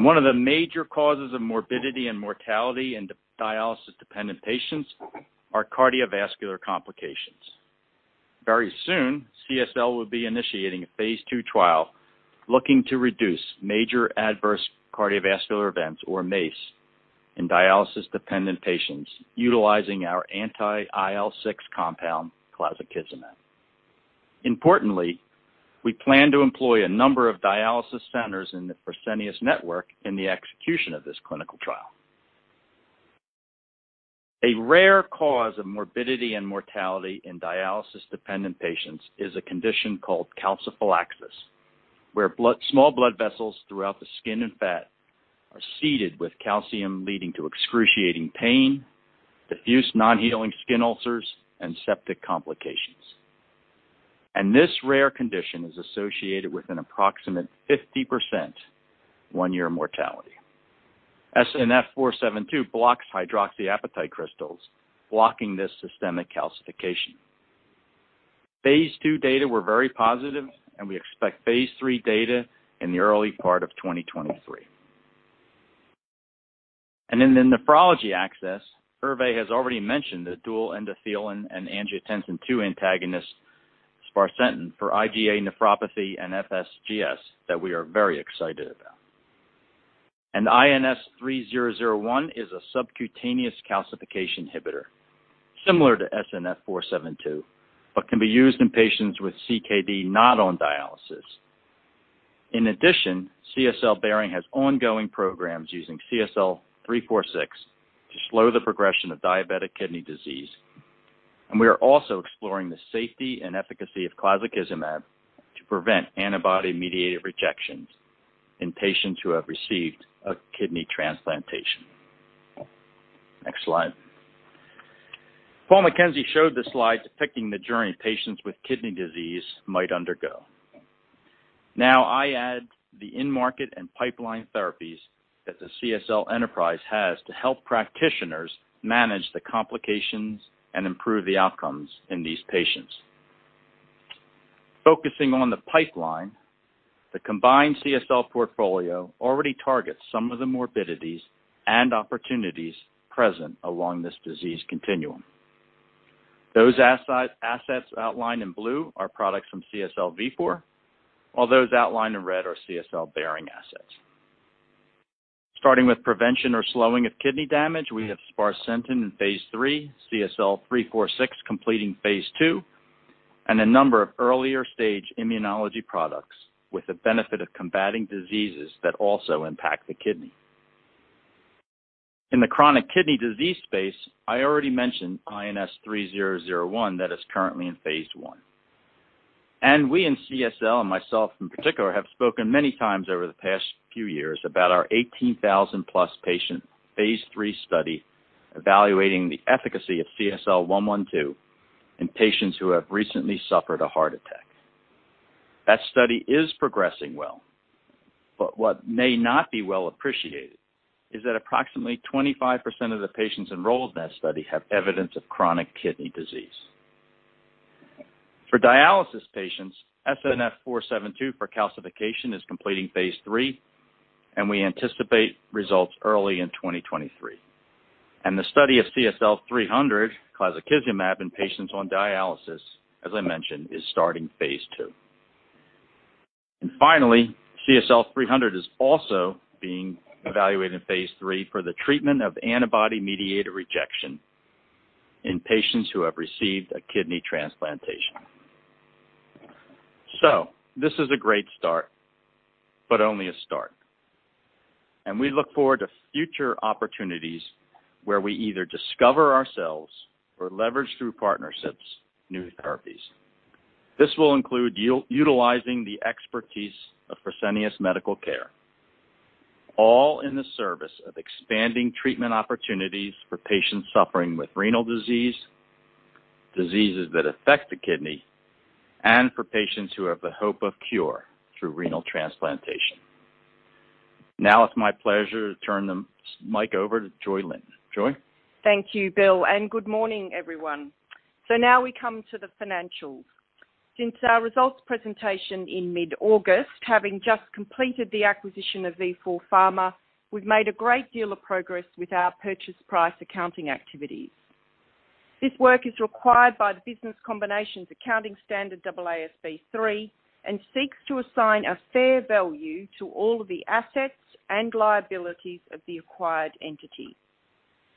S6: One of the major causes of morbidity and mortality in dialysis-dependent patients are cardiovascular complications. Very soon, CSL will be initiating a phase II trial looking to reduce major adverse cardiovascular events, or MACE, in dialysis-dependent patients utilizing our anti-IL-6 compound clazakizumab. Importantly, we plan to employ a number of dialysis centers in the Fresenius network in the execution of this clinical trial. A rare cause of morbidity and mortality in dialysis-dependent patients is a condition called calciphylaxis, where small blood vessels throughout the skin and fat are seeded with calcium, leading to excruciating pain, diffuse non-healing skin ulcers, and septic complications. This rare condition is associated with an approximate 50% one-year mortality. SNF 472 blocks hydroxyapatite crystals, blocking this systemic calcification. Phase II data were very positive, and we expect phase III data in the early part of 2023. In the nephrology axis, Hervé has already mentioned the dual endothelin and angiotensin II antagonist sparsentan for IgA nephropathy and FSGS that we are very excited about. INS-3001 is a subcutaneous calcification inhibitor, similar to SNF 472, but can be used in patients with CKD not on dialysis. In addition, CSL Behring has ongoing programs using CSL 346 to slow the progression of diabetic kidney disease. We are also exploring the safety and efficacy of clazakizumab to prevent antibody-mediated rejections in patients who have received a kidney transplantation. Next slide. Paul McKenzie showed this slide depicting the journey patients with kidney disease might undergo. Now I add the in-market and pipeline therapies that the CSL enterprise has to help practitioners manage the complications and improve the outcomes in these patients. Focusing on the pipeline, the combined CSL portfolio already targets some of the morbidities and opportunities present along this disease continuum. Those assets outlined in blue are products from CSL Vifor, while those outlined in red are CSL Behring assets. Starting with prevention or slowing of kidney damage, we have sparsentan in phase III, CSL 346 completing phase II, and a number of earlier stage immunology products with the benefit of combating diseases that also impact the kidney. In the chronic kidney disease space, I already mentioned INS-3001 that is currently in phase I. We in CSL, and myself in particular, have spoken many times over the past few years about our 18,000+ patient phase III study evaluating the efficacy of CSL 112 in patients who have recently suffered a heart attack. That study is progressing well, but what may not be well appreciated is that approximately 25% of the patients enrolled in that study have evidence of chronic kidney disease. For dialysis patients, SNF 472 for calcification is completing phase III, and we anticipate results early in 2023. The study of CSL 300, clazakizumab, in patients on dialysis, as I mentioned, is starting phase II. Finally, CSL 300 is also being evaluated in phase III for the treatment of antibody-mediated rejection in patients who have received a kidney transplantation. This is a great start, but only a start. We look forward to future opportunities where we either discover ourselves or leverage through partnerships, new therapies. This will include utilizing the expertise of Fresenius Medical Care, all in the service of expanding treatment opportunities for patients suffering with renal disease, diseases that affect the kidney, and for patients who have the hope of cure through renal transplantation. Now it's my pleasure to turn the mic over to Joy Linton. Joy.
S7: Thank you, Bill, and good morning, everyone. Now we come to the financials. Since our results presentation in mid-August, having just completed the acquisition of Vifor Pharma, we've made a great deal of progress with our purchase price accounting activities. This work is required by the business combinations accounting standard AASB 3, and seeks to assign a fair value to all of the assets and liabilities of the acquired entity.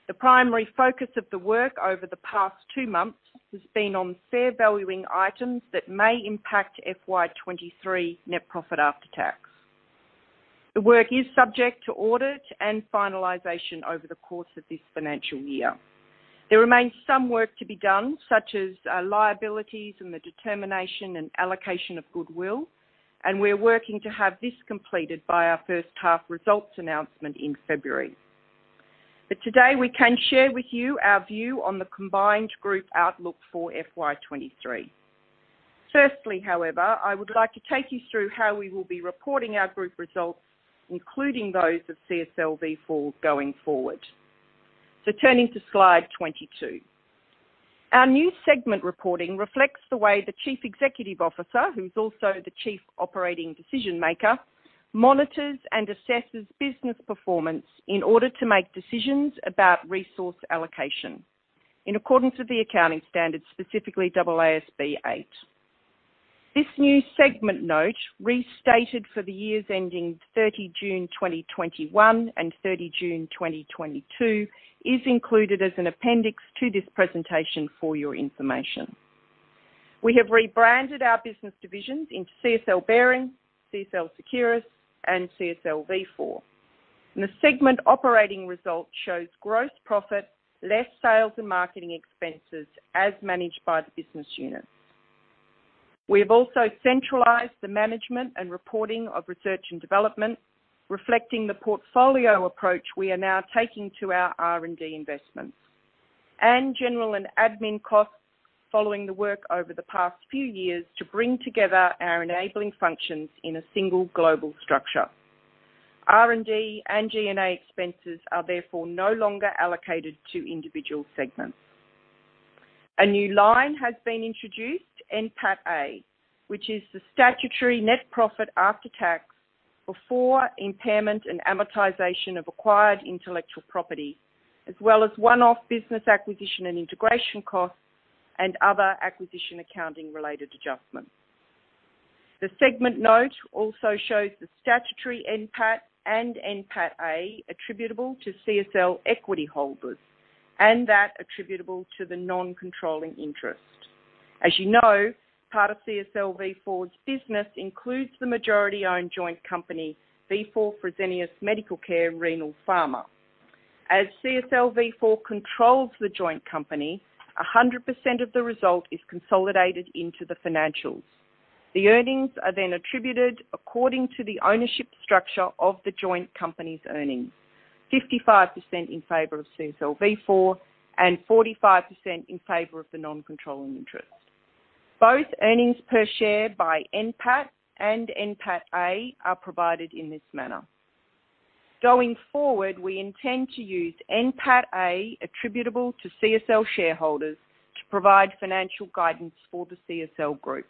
S7: The primary focus of the work over the past two months has been on fair valuing items that may impact FY 2023 net profit after tax. The work is subject to audit and finalization over the course of this financial year. There remains some work to be done, such as liabilities and the determination and allocation of goodwill, and we're working to have this completed by our first half results announcement in February. Today, we can share with you our view on the combined group outlook for FY 2023. Firstly, however, I would like to take you through how we will be reporting our group results, including those of CSL Vifor going forward. Turning to slide 22. Our new segment reporting reflects the way the chief executive officer, who's also the chief operating decision-maker, monitors and assesses business performance in order to make decisions about resource allocation in accordance with the accounting standards, specifically AASB 8. This new segment note, restated for the years ending 30 June 2021 and 30 June 2022, is included as an appendix to this presentation for your information. We have rebranded our business divisions into CSL Behring, CSL Seqirus, and CSL Vifor. The segment operating results shows gross profit, less sales and marketing expenses as managed by the business unit. We have also centralized the management and reporting of research and development, reflecting the portfolio approach we are now taking to our R&D investments. General and admin costs following the work over the past few years to bring together our enabling functions in a single global structure. R&D and G&A expenses are therefore no longer allocated to individual segments. A new line has been introduced, NPAT A, which is the statutory net profit after tax before impairment and amortization of acquired intellectual property, as well as one-off business acquisition and integration costs and other acquisition accounting-related adjustments. The segment note also shows the statutory NPAT and NPAT A attributable to CSL equity holders and that attributable to the non-controlling interest. As you know, part of CSL Vifor's business includes the majority-owned joint company, Vifor Fresenius Medical Care Renal Pharma. CSL Vifor controls the joint company, 100% of the result is consolidated into the financials. The earnings are then attributed according to the ownership structure of the joint company's earnings. 55% in favor of CSL Vifor and 45% in favor of the non-controlling interest. Both earnings per share by NPAT and NPAT A are provided in this manner. Going forward, we intend to use NPAT A attributable to CSL shareholders to provide financial guidance for the CSL group.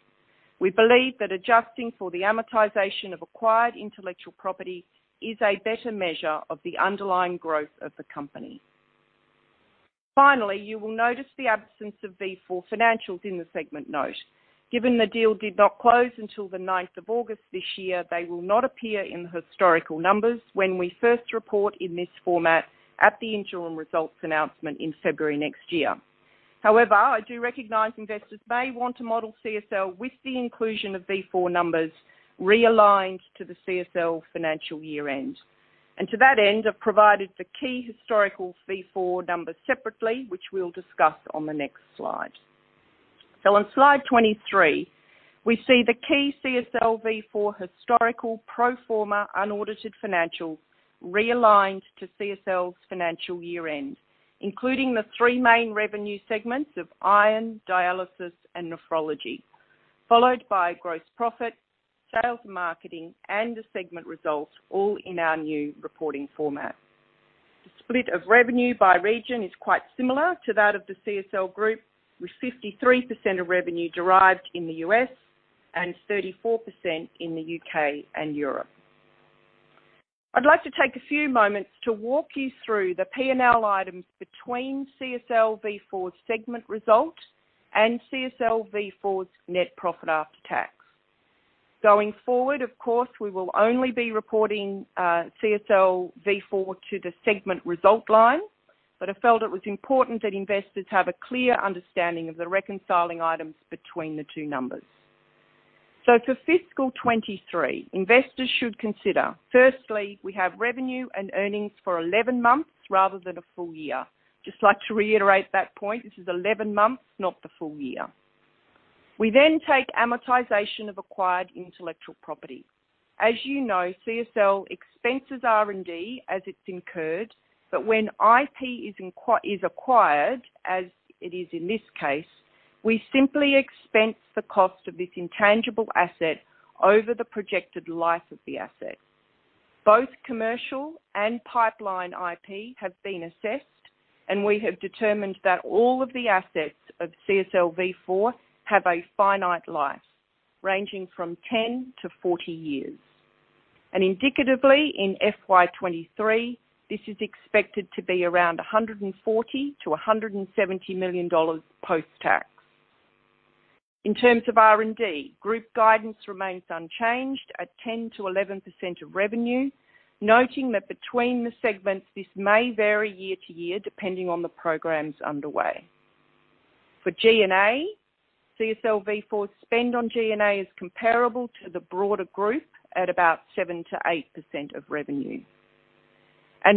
S7: We believe that adjusting for the amortization of acquired intellectual property is a better measure of the underlying growth of the company. Finally, you will notice the absence of Vifor financials in the segment note. Given the deal did not close until the ninth of August this year, they will not appear in the historical numbers when we first report in this format at the interim results announcement in February next year. However, I do recognize investors may want to model CSL with the inclusion of Vifor numbers realigned to the CSL financial year-end. To that end, I've provided the key historical Vifor numbers separately, which we'll discuss on the next slide. On slide 23, we see the key CSL Vifor historical pro forma unaudited financial realigned to CSL's financial year-end, including the three main revenue segments of iron, dialysis, and nephrology, followed by gross profit, sales marketing, and the segment results, all in our new reporting format. The split of revenue by region is quite similar to that of the CSL group, with 53% of revenue derived in the US and 34% in the UK and Europe. I'd like to take a few moments to walk you through the P&L items between CSL Vifor's segment results and CSL Vifor's net profit after tax. Going forward, of course, we will only be reporting CSL Vifor to the segment result line, but I felt it was important that investors have a clear understanding of the reconciling items between the two numbers. For fiscal 2023, investors should consider: firstly, we have revenue and earnings for 11 months rather than a full year. Just like to reiterate that point. This is 11 months, not the full year. We then take amortization of acquired intellectual property. As you know, CSL expenses R&D as it's incurred, but when IP is acquired, as it is in this case, we simply expense the cost of this intangible asset over the projected life of the asset. Both commercial and pipeline IP have been assessed, and we have determined that all of the assets of CSL Vifor have a finite life ranging from 10 years-40 years. Indicatively, in FY 2023, this is expected to be around 140 million-170 million dollars post-tax. In terms of R&D, group guidance remains unchanged at 10%-11% of revenue, noting that between the segments, this may vary year-to-year depending on the programs underway. For G&A, CSL Vifor's spend on G&A is comparable to the broader group at about 7%-8% of revenue.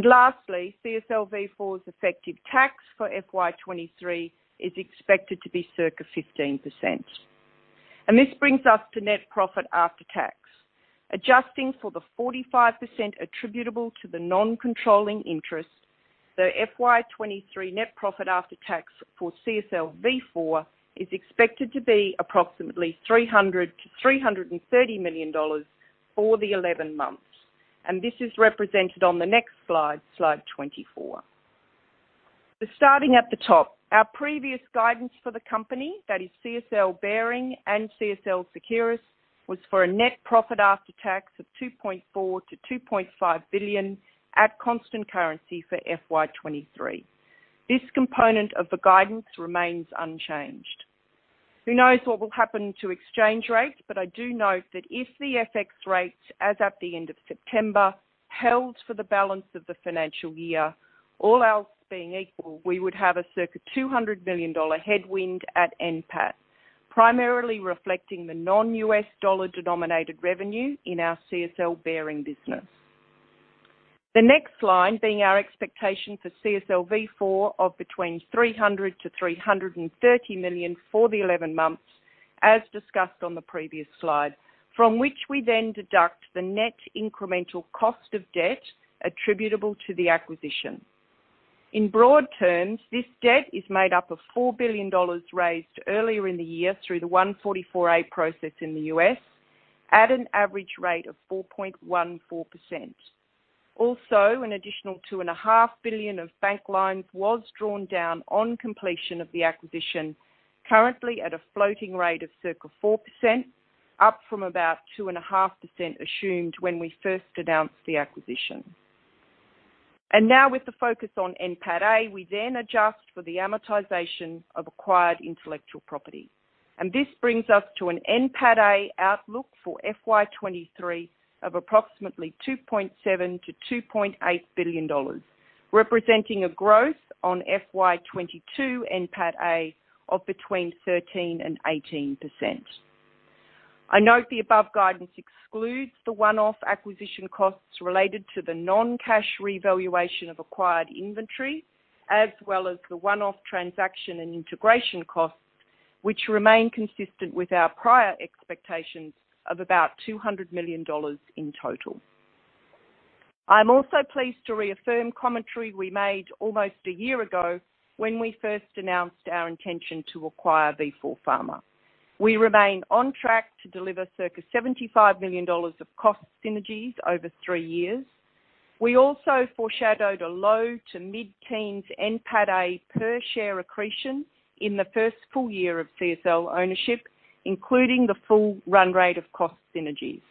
S7: Lastly, CSL Vifor's effective tax for FY 2023 is expected to be circa 15%. This brings us to net profit after tax. Adjusting for the 45% attributable to the non-controlling interest, the FY 2023 net profit after tax for CSL Vifor is expected to be approximately 300 million-330 million dollars for the eleven months. This is represented on the next slide 24. Starting at the top, our previous guidance for the company, that is CSL Behring and CSL Seqirus, was for a net profit after tax of 2.4 billion-2.5 billion at constant currency for FY 2023. This component of the guidance remains unchanged. Who knows what will happen to exchange rates, but I do note that if the FX rates as at the end of September held for the balance of the financial year, all else being equal, we would have a circa 200 million dollar headwind at NPAT, primarily reflecting the non-US dollar denominated revenue in our CSL Behring business. The next line being our expectation for CSL Vifor of between 300 million-330 million for the 11 months as discussed on the previous slide, from which we then deduct the net incremental cost of debt attributable to the acquisition. In broad terms, this debt is made up of $4 billion raised earlier in the year through the 144A process in the US at an average rate of 4.14%. An additional 2.5 billion of bank loans was drawn down on completion of the acquisition, currently at a floating rate of circa 4%, up from about 2.5% assumed when we first announced the acquisition. Now with the focus on NPAT A, we then adjust for the amortization of acquired intellectual property. This brings us to an NPAT A outlook for FY 2023 of approximately 2.7 billion-2.8 billion dollars, representing a growth on FY 2022 NPAT A of between 13% and 18%. I note the above guidance excludes the one-off acquisition costs related to the non-cash revaluation of acquired inventory, as well as the one-off transaction and integration costs, which remain consistent with our prior expectations of about 200 million dollars in total. I'm also pleased to reaffirm commentary we made almost a year ago when we first announced our intention to acquire Vifor Pharma. We remain on track to deliver circa $75 million of cost synergies over three years. We also foreshadowed a low to mid-teens NPAT A per share accretion in the first full year of CSL ownership, including the full run rate of cost synergies.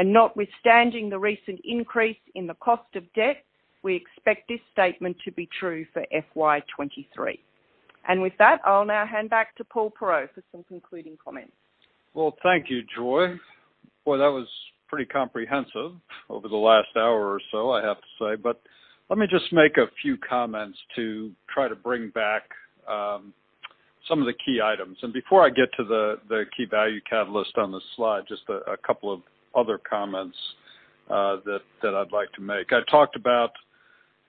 S7: Notwithstanding the recent increase in the cost of debt, we expect this statement to be true for FY 2023. With that, I'll now hand back to Paul Perreault for some concluding comments.
S3: Well, thank you, Joy. Boy, that was pretty comprehensive over the last hour or so, I have to say. Let me just make a few comments to try to bring back some of the key items. Before I get to the key value catalyst on this slide, just a couple of other comments that I'd like to make. I talked about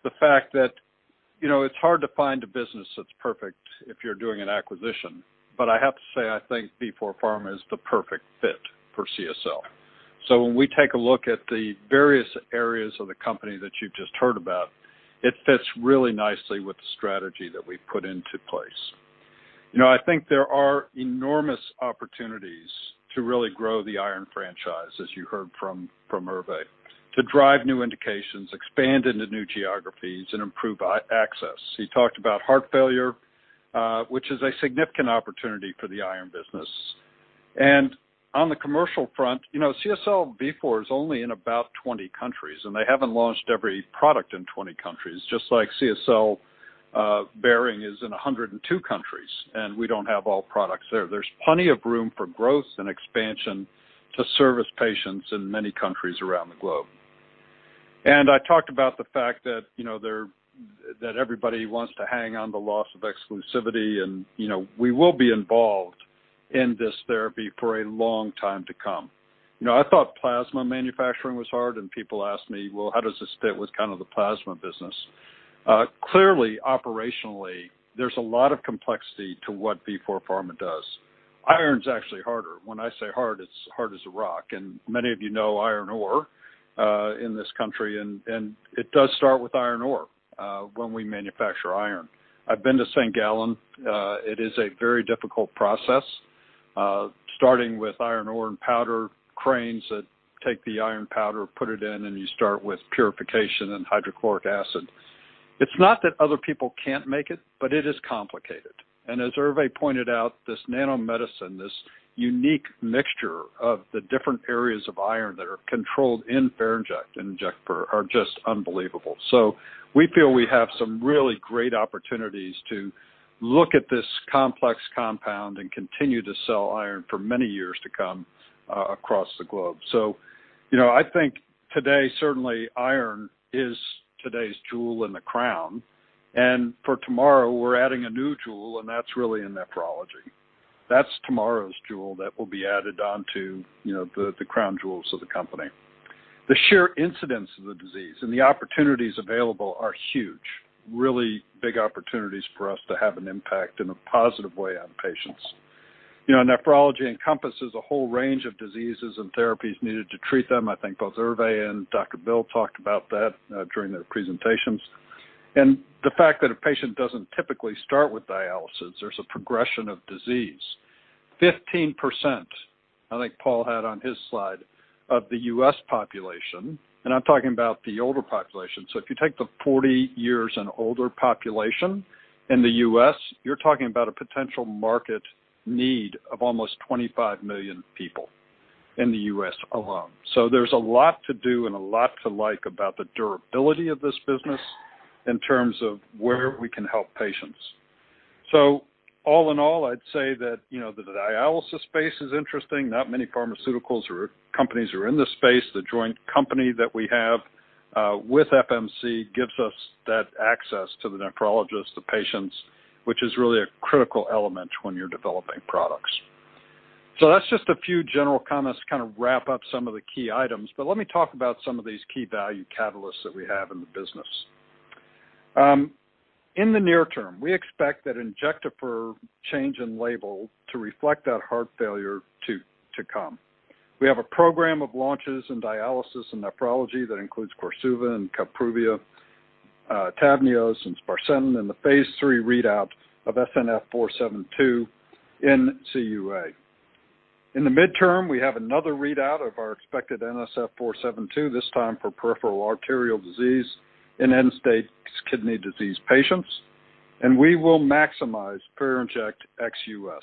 S3: the fact that, you know, it's hard to find a business that's perfect if you're doing an acquisition. I have to say, I think Vifor Pharma is the perfect fit for CSL. When we take a look at the various areas of the company that you've just heard about, it fits really nicely with the strategy that we've put into place. You know, I think there are enormous opportunities to really grow the iron franchise, as you heard from Hervé, to drive new indications, expand into new geographies, and improve access. He talked about heart failure, which is a significant opportunity for the iron business. On the commercial front, you know, CSL Vifor is only in about 20 countries, and they haven't launched every product in 20 countries, just like CSL Behring is in 102 countries, and we don't have all products there. There's plenty of room for growth and expansion to service patients in many countries around the globe. I talked about the fact that, you know, that everybody wants to hang on the loss of exclusivity and, you know, we will be involved in this therapy for a long time to come. You know, I thought plasma manufacturing was hard, and people ask me, "Well, how does this fit with kind of the plasma business?" Clearly, operationally, there's a lot of complexity to what Vifor Pharma does. Iron is actually harder. When I say hard, it's hard as a rock. Many of you know iron ore in this country, and it does start with iron ore when we manufacture iron. I've been to St. Gallen. It is a very difficult process starting with iron ore and powder, cranes that take the iron powder, put it in, and you start with purification and hydrochloric acid. It's not that other people can't make it, but it is complicated. As Hervé pointed out, this nanomedicine, this unique mixture of the different areas of iron that are controlled in Ferinject and Injectafer are just unbelievable. We feel we have some really great opportunities to look at this complex compound and continue to sell iron for many years to come, across the globe. You know, I think today, certainly, iron is today's jewel in the crown. For tomorrow, we're adding a new jewel, and that's really in nephrology. That's tomorrow's jewel that will be added onto, you know, the crown jewels of the company. The sheer incidence of the disease and the opportunities available are huge, really big opportunities for us to have an impact in a positive way on patients. You know, nephrology encompasses a whole range of diseases and therapies needed to treat them. I think both Hervé and Dr. Bill talked about that during their presentations. The fact that a patient doesn't typically start with dialysis, there's a progression of disease. 15%, I think Paul had on his slide, of the U.S. population, and I'm talking about the older population. If you take the 40 years and older population in the U.S., you're talking about a potential market need of almost 25 million people in the U.S. alone. There's a lot to do and a lot to like about the durability of this business in terms of where we can help patients. All in all, I'd say that, you know, the dialysis space is interesting. Not many pharmaceuticals or companies are in this space. The joint company that we have with FMC gives us that access to the nephrologists, the patients, which is really a critical element when you're developing products. That's just a few general comments to kind of wrap up some of the key items. Let me talk about some of these key value catalysts that we have in the business. In the near term, we expect that Injectafer change in label to reflect that heart failure to come. We have a program of launches in dialysis and nephrology that includes Korsuva and Kapruvia, TAVNEOS and sparsentan, and the phase III readout of SNF472 in CUA. In the midterm, we have another readout of our expected SNF472, this time for peripheral arterial disease in end-stage kidney disease patients, and we will maximize Ferinject ex-US.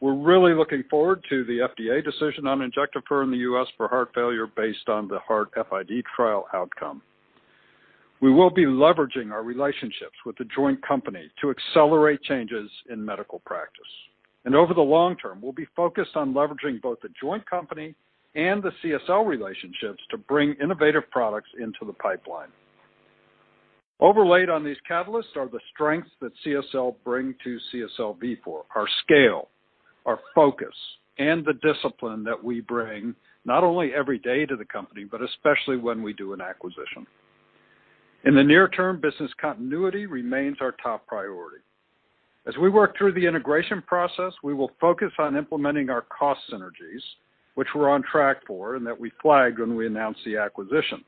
S3: We're really looking forward to the FDA decision on Injectafer in the US for heart failure based on the HEART-FID trial outcome. We will be leveraging our relationships with the joint company to accelerate changes in medical practice. Over the long term, we'll be focused on leveraging both the joint company and the CSL relationships to bring innovative products into the pipeline. Overlaid on these catalysts are the strengths that CSL bring to CSL Vifor, our scale, our focus, and the discipline that we bring, not only every day to the company, but especially when we do an acquisition. In the near term, business continuity remains our top priority. As we work through the integration process, we will focus on implementing our cost synergies, which we're on track for and that we flagged when we announced the acquisition.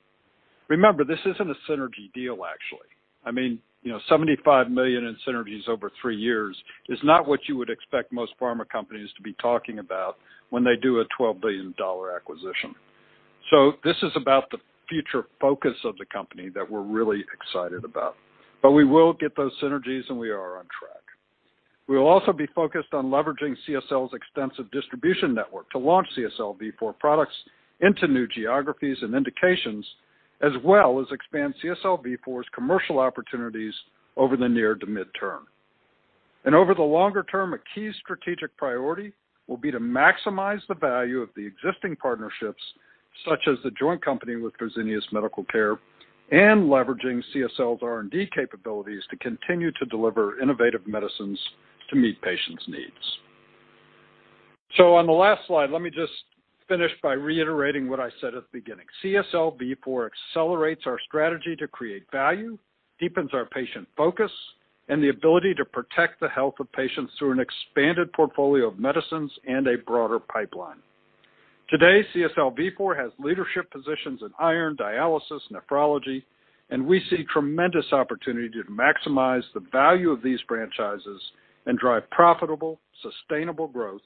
S3: Remember, this isn't a synergy deal, actually. I mean, you know, $75 million in synergies over three years is not what you would expect most pharma companies to be talking about when they do a $12 billion acquisition. This is about the future focus of the company that we're really excited about. We will get those synergies, and we are on track. We will also be focused on leveraging CSL's extensive distribution network to launch CSL Vifor products into new geographies and indications, as well as expand CSL Vifor's commercial opportunities over the near to midterm. Over the longer term, a key strategic priority will be to maximize the value of the existing partnerships, such as the joint company with Fresenius Medical Care, and leveraging CSL's R&D capabilities to continue to deliver innovative medicines to meet patients' needs. On the last slide, let me just finish by reiterating what I said at the beginning. CSL Vifor accelerates our strategy to create value, deepens our patient focus, and the ability to protect the health of patients through an expanded portfolio of medicines and a broader pipeline. Today, CSL Vifor has leadership positions in iron, dialysis, nephrology, and we see tremendous opportunity to maximize the value of these franchises and drive profitable, sustainable growth,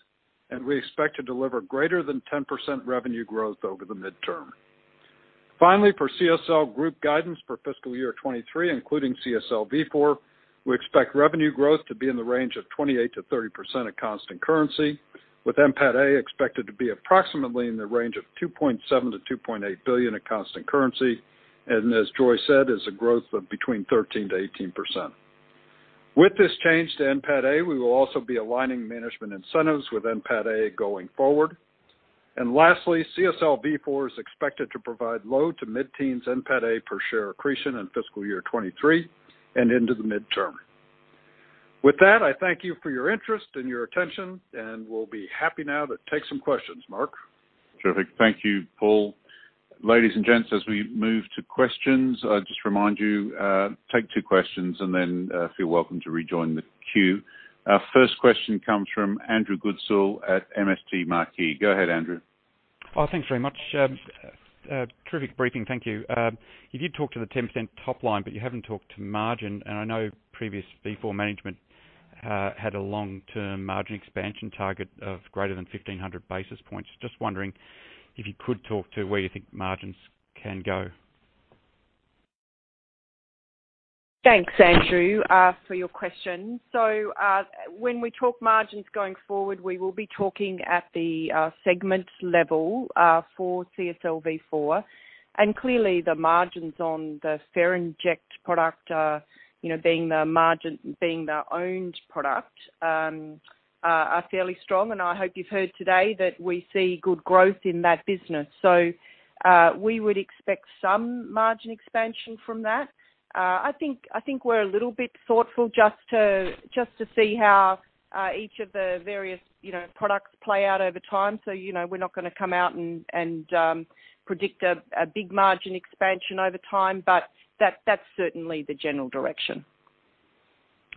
S3: and we expect to deliver greater than 10% revenue growth over the midterm. Finally, for CSL Group guidance for fiscal year 2023, including CSL Vifor, we expect revenue growth to be in the range of 28%-30% at constant currency, with NPAT A expected to be approximately in the range of 2.7 billion-2.8 billion at constant currency, and as Joy said, is a growth of between 13%-18%. With this change to NPAT A, we will also be aligning management incentives with NPAT A going forward. Lastly, CSL Vifor is expected to provide low to mid-teens NPAT A per share accretion in fiscal year 2023 and into the midterm. With that, I thank you for your interest and your attention, and we'll be happy now to take some questions. Mark?
S2: Terrific. Thank you, Paul. Ladies and gents, as we move to questions, I just remind you, take two questions and then, feel welcome to rejoin the queue. Our first question comes from Andrew Goodsall at MST Marquee. Go ahead, Andrew.
S8: Oh, thanks very much. Terrific briefing. Thank you. You did talk to the 10% top line, but you haven't talked to margin, and I know previous Vifor management had a long-term margin expansion target of greater than 1,500 basis points. Just wondering if you could talk to where you think margins can go?
S7: Thanks, Andrew, for your question. When we talk margins going forward, we will be talking at the segment level for CSL Vifor. Clearly, the margins on the Ferinject product, you know, being the owned product, are fairly strong. I hope you've heard today that we see good growth in that business. We would expect some margin expansion from that. I think we're a little bit thoughtful just to see how each of the various, you know, products play out over time. You know, we're not gonna come out and predict a big margin expansion over time, but that's certainly the general direction.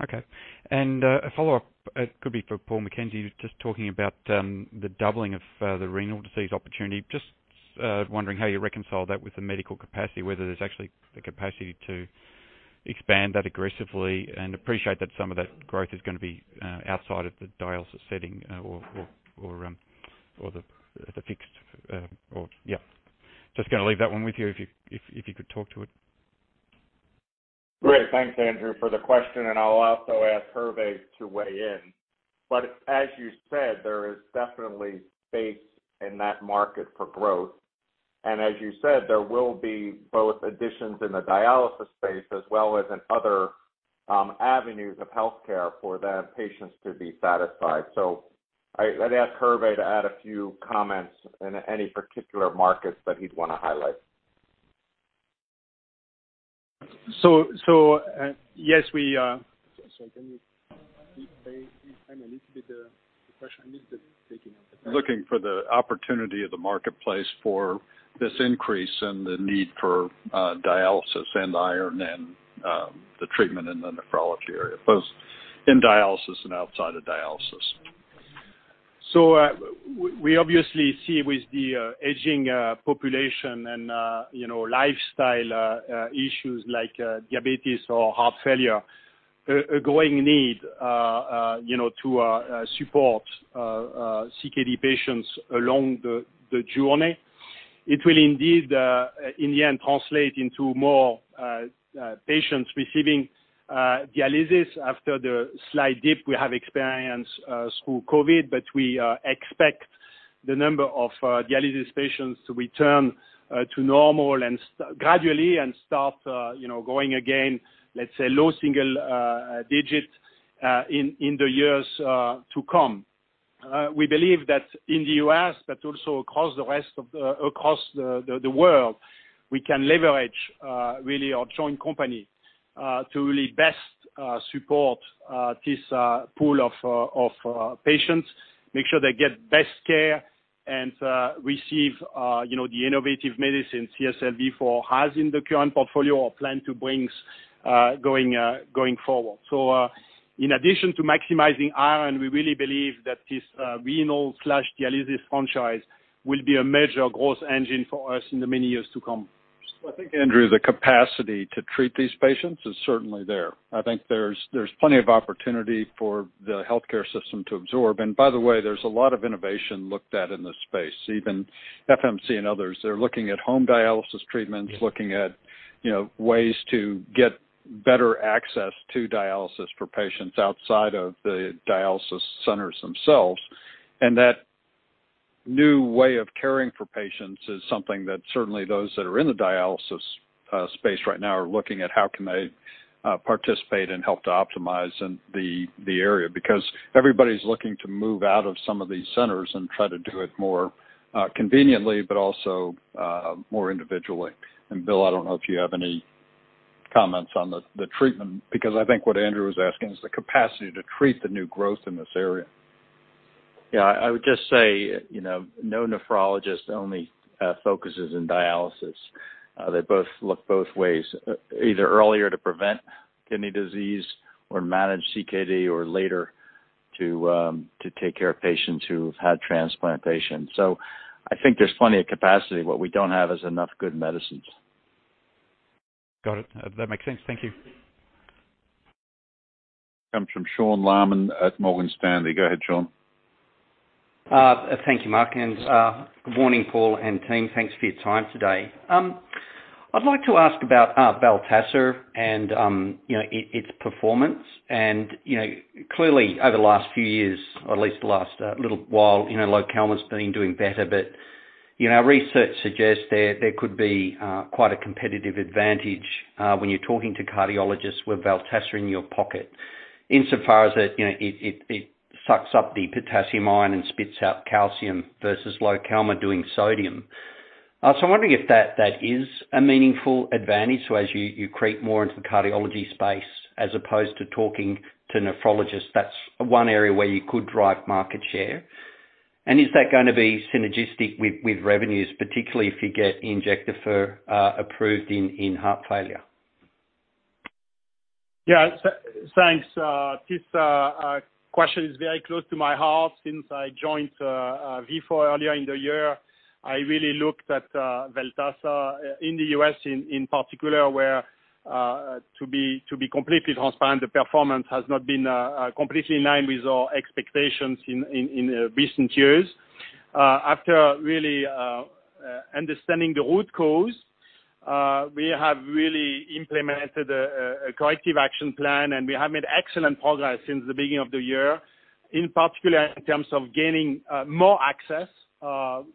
S8: Okay. A follow-up could be for Paul McKenzie, just talking about the doubling of the renal disease opportunity. Just wondering how you reconcile that with the medical capacity, whether there's actually the capacity to expand that aggressively. I appreciate that some of that growth is gonna be outside of the dialysis setting. Just gonna leave that one with you, if you could talk to it.
S4: Great. Thanks, Andrew, for the question, and I'll also ask Hervé to weigh in. As you said, there is definitely space in that market for growth. As you said, there will be both additions in the dialysis space as well as in other avenues of healthcare for the patients to be satisfied. I'd ask Hervé to add a few comments in any particular markets that he'd wanna highlight.
S5: Yes, we.
S3: Sorry, can you repeat, Hervé, I missed a bit the question. I missed the beginning of the question.
S5: Looking for the opportunity of the marketplace for this increase and the need for dialysis and iron and the treatment in the nephrology area, both in dialysis and outside of dialysis. We obviously see with the aging population and you know, lifestyle issues like diabetes or heart failure, a growing need you know to support CKD patients along the journey. It will indeed in the end translate into more patients receiving dialysis after the slight dip we have experienced through COVID. We expect the number of dialysis patients to return to normal and gradually start you know growing again, let's say low single digit in the years to come. We believe that in the US, but also across the rest of the world, we can leverage really our joint company to really best support this pool of patients, make sure they get best care and receive, you know, the innovative medicines CSL Vifor has in the current portfolio or plan to brings going forward. In addition to maximizing iron, we really believe that this renal/dialysis franchise will be a major growth engine for us in the many years to come.
S3: I think, Andrew, the capacity to treat these patients is certainly there. I think there's plenty of opportunity for the healthcare system to absorb. By the way, there's a lot of innovation looked at in this space. Even FMC and others, they're looking at home dialysis treatments.
S8: Yeah.
S3: Looking at, you know, ways to get better access to dialysis for patients outside of the dialysis centers themselves. That new way of caring for patients is something that certainly those that are in the dialysis space right now are looking at how can they participate and help to optimize in the area. Because everybody's looking to move out of some of these centers and try to do it more conveniently, but also more individually. Bill, I don't know if you have any comments on the treatment, because I think what Andrew was asking is the capacity to treat the new growth in this area.
S6: Yeah. I would just say, you know, no nephrologist only focuses on dialysis. They look both ways, either earlier to prevent kidney disease or manage CKD or later to take care of patients who've had transplantation. I think there's plenty of capacity. What we don't have is enough good medicines.
S8: Got it. That makes sense. Thank you.
S2: Comes from Sean Laaman at Morgan Stanley. Go ahead, Sean.
S9: Thank you, Mark, and good morning, Paul and team. Thanks for your time today. I'd like to ask about Veltassa and you know, its performance. You know, clearly over the last few years, or at least the last little while, you know, Lokelma's been doing better, but research suggests there could be quite a competitive advantage when you're talking to cardiologists with Veltassa in your pocket. Insofar as it you know, sucks up the potassium ion and spits out calcium versus Lokelma doing sodium. I'm wondering if that is a meaningful advantage. As you create more into the cardiology space as opposed to talking to nephrologists, that's one area where you could drive market share. Is that gonna be synergistic with revenues, particularly if you get Injectafer approved in heart failure?
S5: Thanks, this question is very close to my heart since I joined Vifor earlier in the year. I really looked at Veltassa in the U.S. in particular where, to be completely transparent, the performance has not been completely in line with our expectations in recent years. After really understanding the root cause, we have really implemented a corrective action plan, and we have made excellent progress since the beginning of the year. In particular, in terms of gaining more access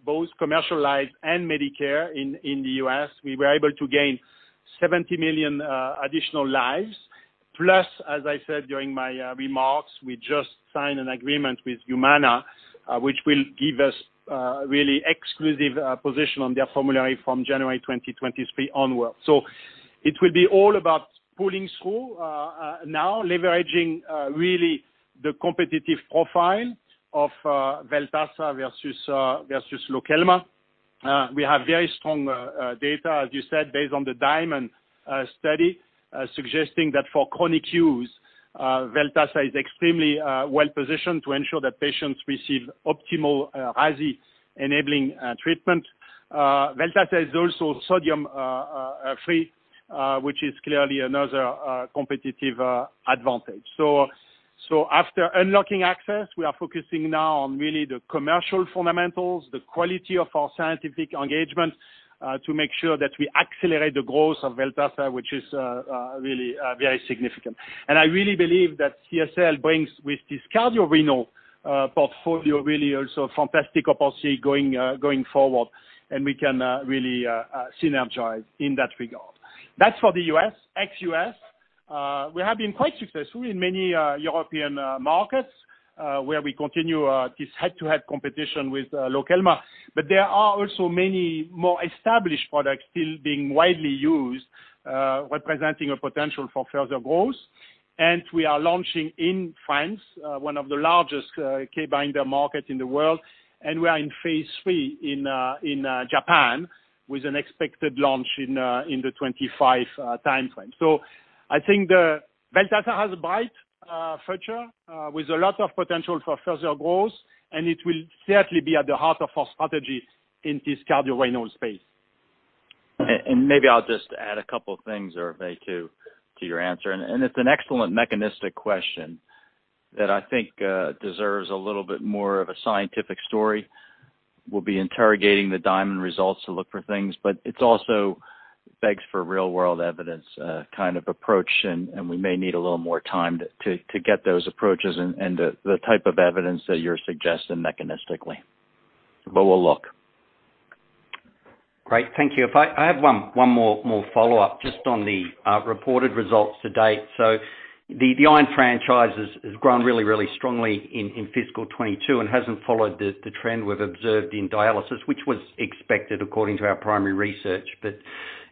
S5: both commercial lives and Medicare in the U.S. We were able to gain 70 million additional lives. As I said during my remarks, we just signed an agreement with Humana, which will give us really exclusive position on their formulary from January 2023 onwards. It will be all about pulling through now, leveraging really the competitive profile of Veltassa versus Lokelma. We have very strong data, as you said, based on the DIAMOND study, suggesting that for chronic use, Veltassa is extremely well positioned to ensure that patients receive optimal RAASi-enabling treatment. Veltassa is also sodium free, which is clearly another competitive advantage. After unlocking access, we are focusing now on really the commercial fundamentals, the quality of our scientific engagement, to make sure that we accelerate the growth of Veltassa, which is really very significant. I really believe that CSL brings with this cardiorenal portfolio, really also a fantastic opportunity going forward. We can really synergize in that regard. That's for the U.S. Ex-U.S., we have been quite successful in many European markets, where we continue this head-to-head competition with Lokelma. There are also many more established products still being widely used, representing a potential for further growth. We are launching in France, one of the largest potassium binder market in the world. We are in phase III in Japan with an expected launch in the 2025 timeframe. I think the Veltassa has a bright future with a lot of potential for further growth, and it will certainly be at the heart of our strategy in this cardiorenal space.
S6: Maybe I'll just add a couple of things, Hervé, to your answer. It's an excellent mechanistic question that I think deserves a little bit more of a scientific story. We'll be interrogating the DIAMOND results to look for things, but it also begs for real-world evidence kind of approach. We may need a little more time to get those approaches and the type of evidence that you're suggesting mechanistically. We'll look.
S9: Great. Thank you. I have one more follow-up just on the reported results to date. The iron franchise has grown really strongly in fiscal 2022 and hasn't followed the trend we've observed in dialysis, which was expected according to our primary research.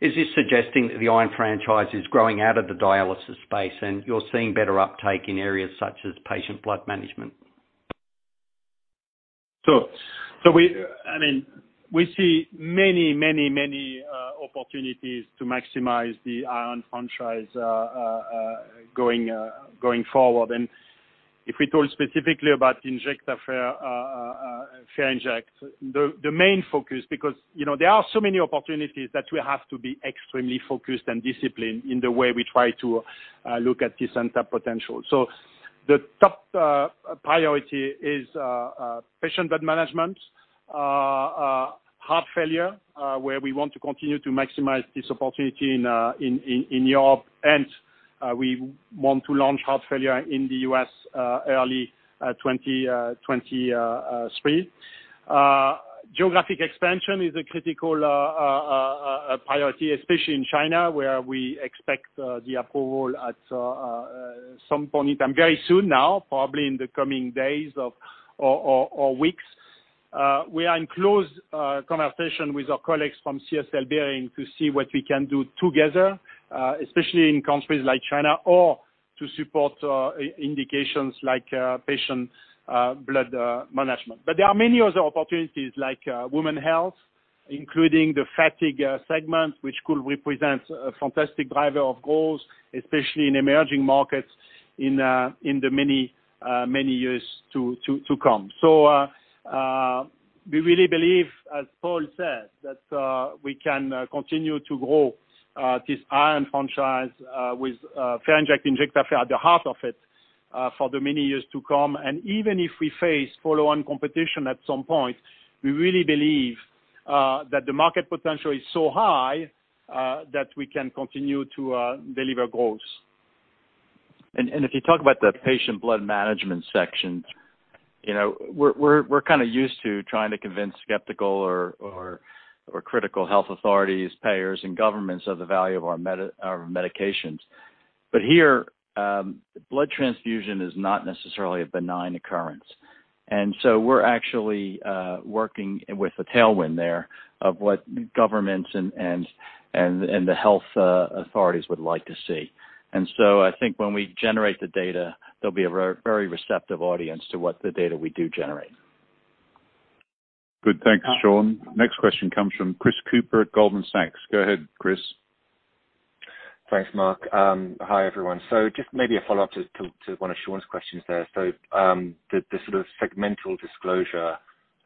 S9: Is this suggesting that the iron franchise is growing out of the dialysis space and you're seeing better uptake in areas such as patient blood management?
S5: I mean, we see many opportunities to maximize the iron franchise going forward. If we talk specifically about Injectafer, Ferinject, the main focus because, you know, there are so many opportunities that we have to be extremely focused and disciplined in the way we try to look at this entire potential. The top priority is patient blood management, heart failure, where we want to continue to maximize this opportunity in Europe. We want to launch heart failure in the U.S. early 2023. Geographic expansion is a critical priority, especially in China, where we expect the approval at some point in time very soon now, probably in the coming days or weeks. We are in close conversation with our colleagues from CSL Behring to see what we can do together, especially in countries like China or to support indications like patient blood management. There are many other opportunities like women's health, including the fatigue segment, which could represent a fantastic driver of growth, especially in emerging markets in the many years to come. We really believe, as Paul said, that we can continue to grow this iron franchise with Ferinject Injectafer at the heart of it for the many years to come. Even if we face follow-on competition at some point, we really believe that the market potential is so high that we can continue to deliver growth.
S6: If you talk about the patient blood management section, you know, we're kind of used to trying to convince skeptical or critical health authorities, payers, and governments of the value of our medications. Here, blood transfusion is not necessarily a benign occurrence. We're actually working with the tailwind there of what governments and the health authorities would like to see. I think when we generate the data, there'll be a very receptive audience to what the data we do generate.
S2: Good. Thanks, Sean. Next question comes from Chris Cooper at Goldman Sachs. Go ahead, Chris.
S10: Thanks, Mark. Hi, everyone. Just maybe a follow-up to one of Sean's questions there. The sort of segmental disclosure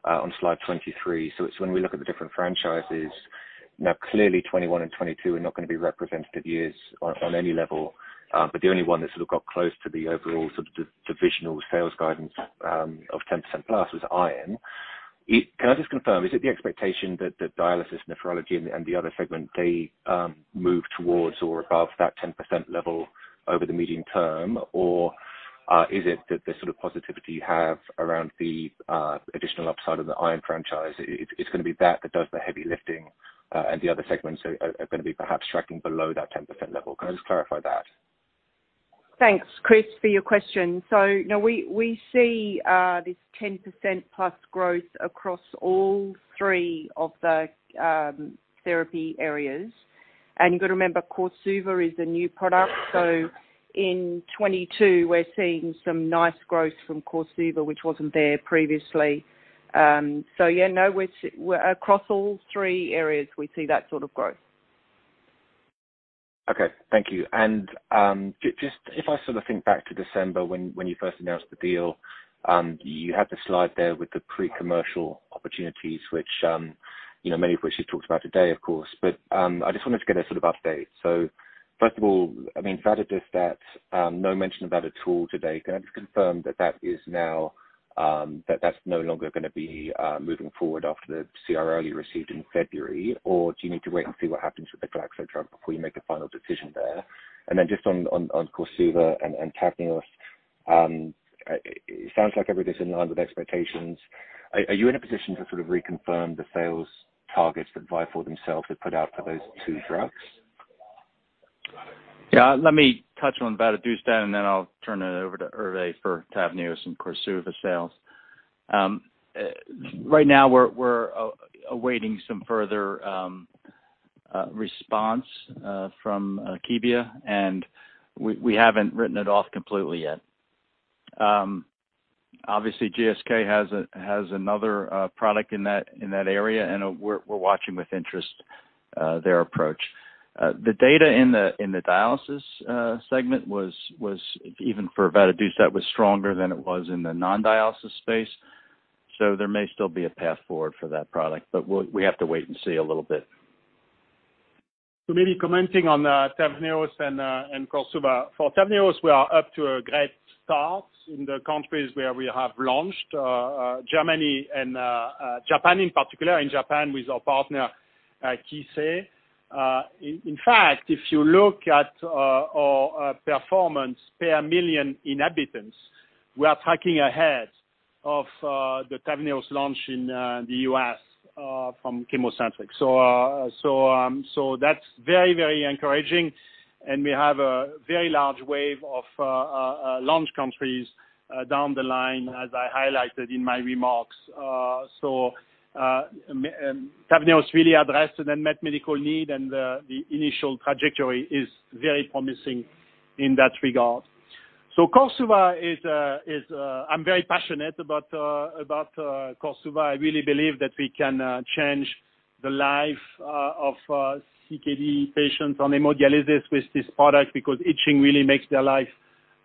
S10: on slide 23, so it's when we look at the different franchises. Now, clearly 2021 and 2022 are not gonna be representative years on any level, but the only one that sort of got close to the overall sort of divisional sales guidance of 10%+ was iron. Can I just confirm, is it the expectation that the dialysis, nephrology and the other segment, they move towards or above that 10% level over the medium term? Is it that the sort of positivity you have around the additional upside of the iron franchise, it's gonna be that does the heavy lifting, and the other segments are gonna be perhaps tracking below that 10% level? Can you just clarify that?
S7: Thanks, Chris, for your question. Now we see this 10%+ growth across all three of the therapy areas. You've got to remember Korsuva is a new product. In 2022 we're seeing some nice growth from Korsuva which wasn't there previously. Yeah, no, we're across all three areas, we see that sort of growth.
S10: Okay. Thank you. Just if I sort of think back to December when you first announced the deal, you had the slide there with the pre-commercial opportunities which, you know, many of which you talked about today, of course, but I just wanted to get a sort of update. First of all, I mean, vadadustat, no mention about it at all today. Can I just confirm that that is now, that that's no longer gonna be moving forward after the CRL you received in February? Or do you need to wait and see what happens with the Glaxo drug before you make a final decision there? Just on Korsuva and TAVNEOS, it sounds like everything's in line with expectations. Are you in a position to sort of reconfirm the sales targets that Vifor themselves have put out for those two drugs?
S6: Yeah. Let me touch on vadadustat, and then I'll turn it over to Hervé for TAVNEOS and Korsuva sales. Right now we're awaiting some further response from Akebia, and we haven't written it off completely yet. Obviously GSK has another product in that area, and we're watching with interest their approach. The data in the dialysis segment was even stronger for vadadustat than it was in the non-dialysis space, so there may still be a path forward for that product, but we have to wait and see a little bit.
S5: Maybe commenting on TAVNEOS and Korsuva. For TAVNEOS, we are off to a great start in the countries where we have launched, Germany and Japan in particular, in Japan with our partner, Kissei. In fact, if you look at our performance per million inhabitants, we are tracking ahead of the TAVNEOS launch in the U.S. from ChemoCentryx. That's very encouraging and we have a very large wave of launch countries down the line as I highlighted in my remarks. TAVNEOS really addressed an unmet medical need and the initial trajectory is very promising in that regard. Korsuva is, I'm very passionate about Korsuva. I really believe that we can change the life of CKD patients on hemodialysis with this product because itching really makes their life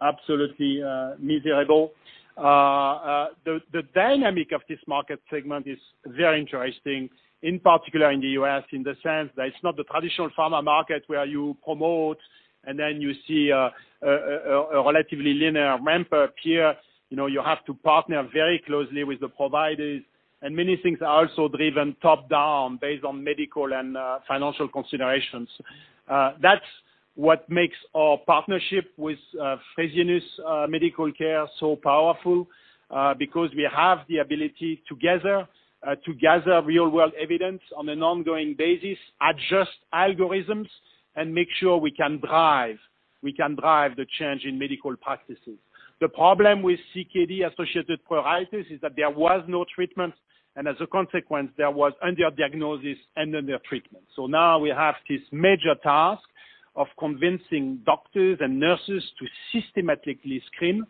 S5: absolutely miserable. The dynamic of this market segment is very interesting, in particular in the U.S., in the sense that it's not the traditional pharma market where you promote and then you see a relatively linear ramp up here. You know, you have to partner very closely with the providers, and many things are also driven top-down based on medical and financial considerations. That's what makes our partnership with Fresenius Medical Care so powerful because we have the ability together to gather real world evidence on an ongoing basis, adjust algorithms and make sure we can drive the change in medical practices. The problem with CKD-associated pruritus is that there was no treatment, and as a consequence, there was underdiagnosis and under treatment. Now we have this major task of convincing doctors and nurses to systematically screen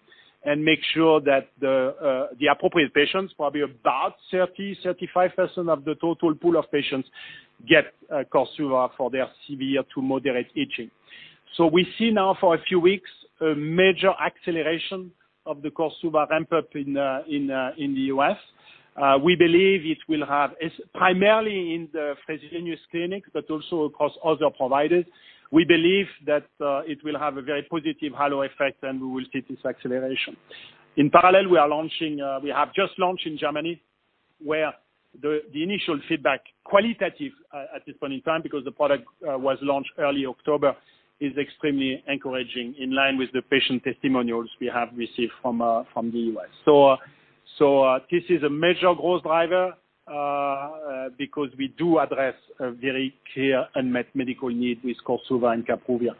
S5: and make sure that the appropriate patients, probably about 35% of the total pool of patients, get Korsuva for their severe to moderate itching. We see now for a few weeks a major acceleration of the Korsuva ramp up in the US. We believe it will have. It's primarily in the Fresenius clinic, but also across other providers. We believe that it will have a very positive halo effect and we will see this acceleration. In parallel, we have just launched in Germany. Where the initial feedback, qualitative, at this point in time because the product was launched early October, is extremely encouraging in line with the patient testimonials we have received from the US. This is a major growth driver, because we do address a very clear unmet medical need with Korsuva and Kapruvia.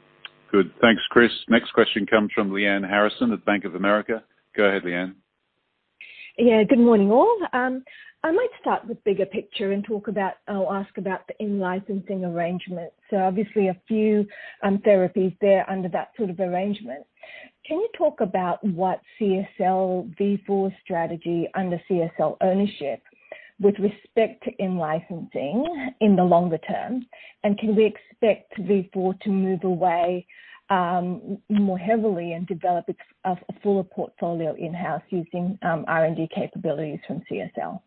S2: Good. Thanks, Chris. Next question comes from Lyanne Harrison at Bank of America. Go ahead, Lyanne.
S11: Yeah. Good morning, all. I might start with bigger picture and talk about or ask about the in-licensing arrangements. Obviously a few therapies there under that sort of arrangement. Can you talk about what CSL Vifor strategy under CSL ownership with respect to in-licensing in the longer term, and can we expect Vifor to move away more heavily and develop a fuller portfolio in-house using R&D capabilities from CSL?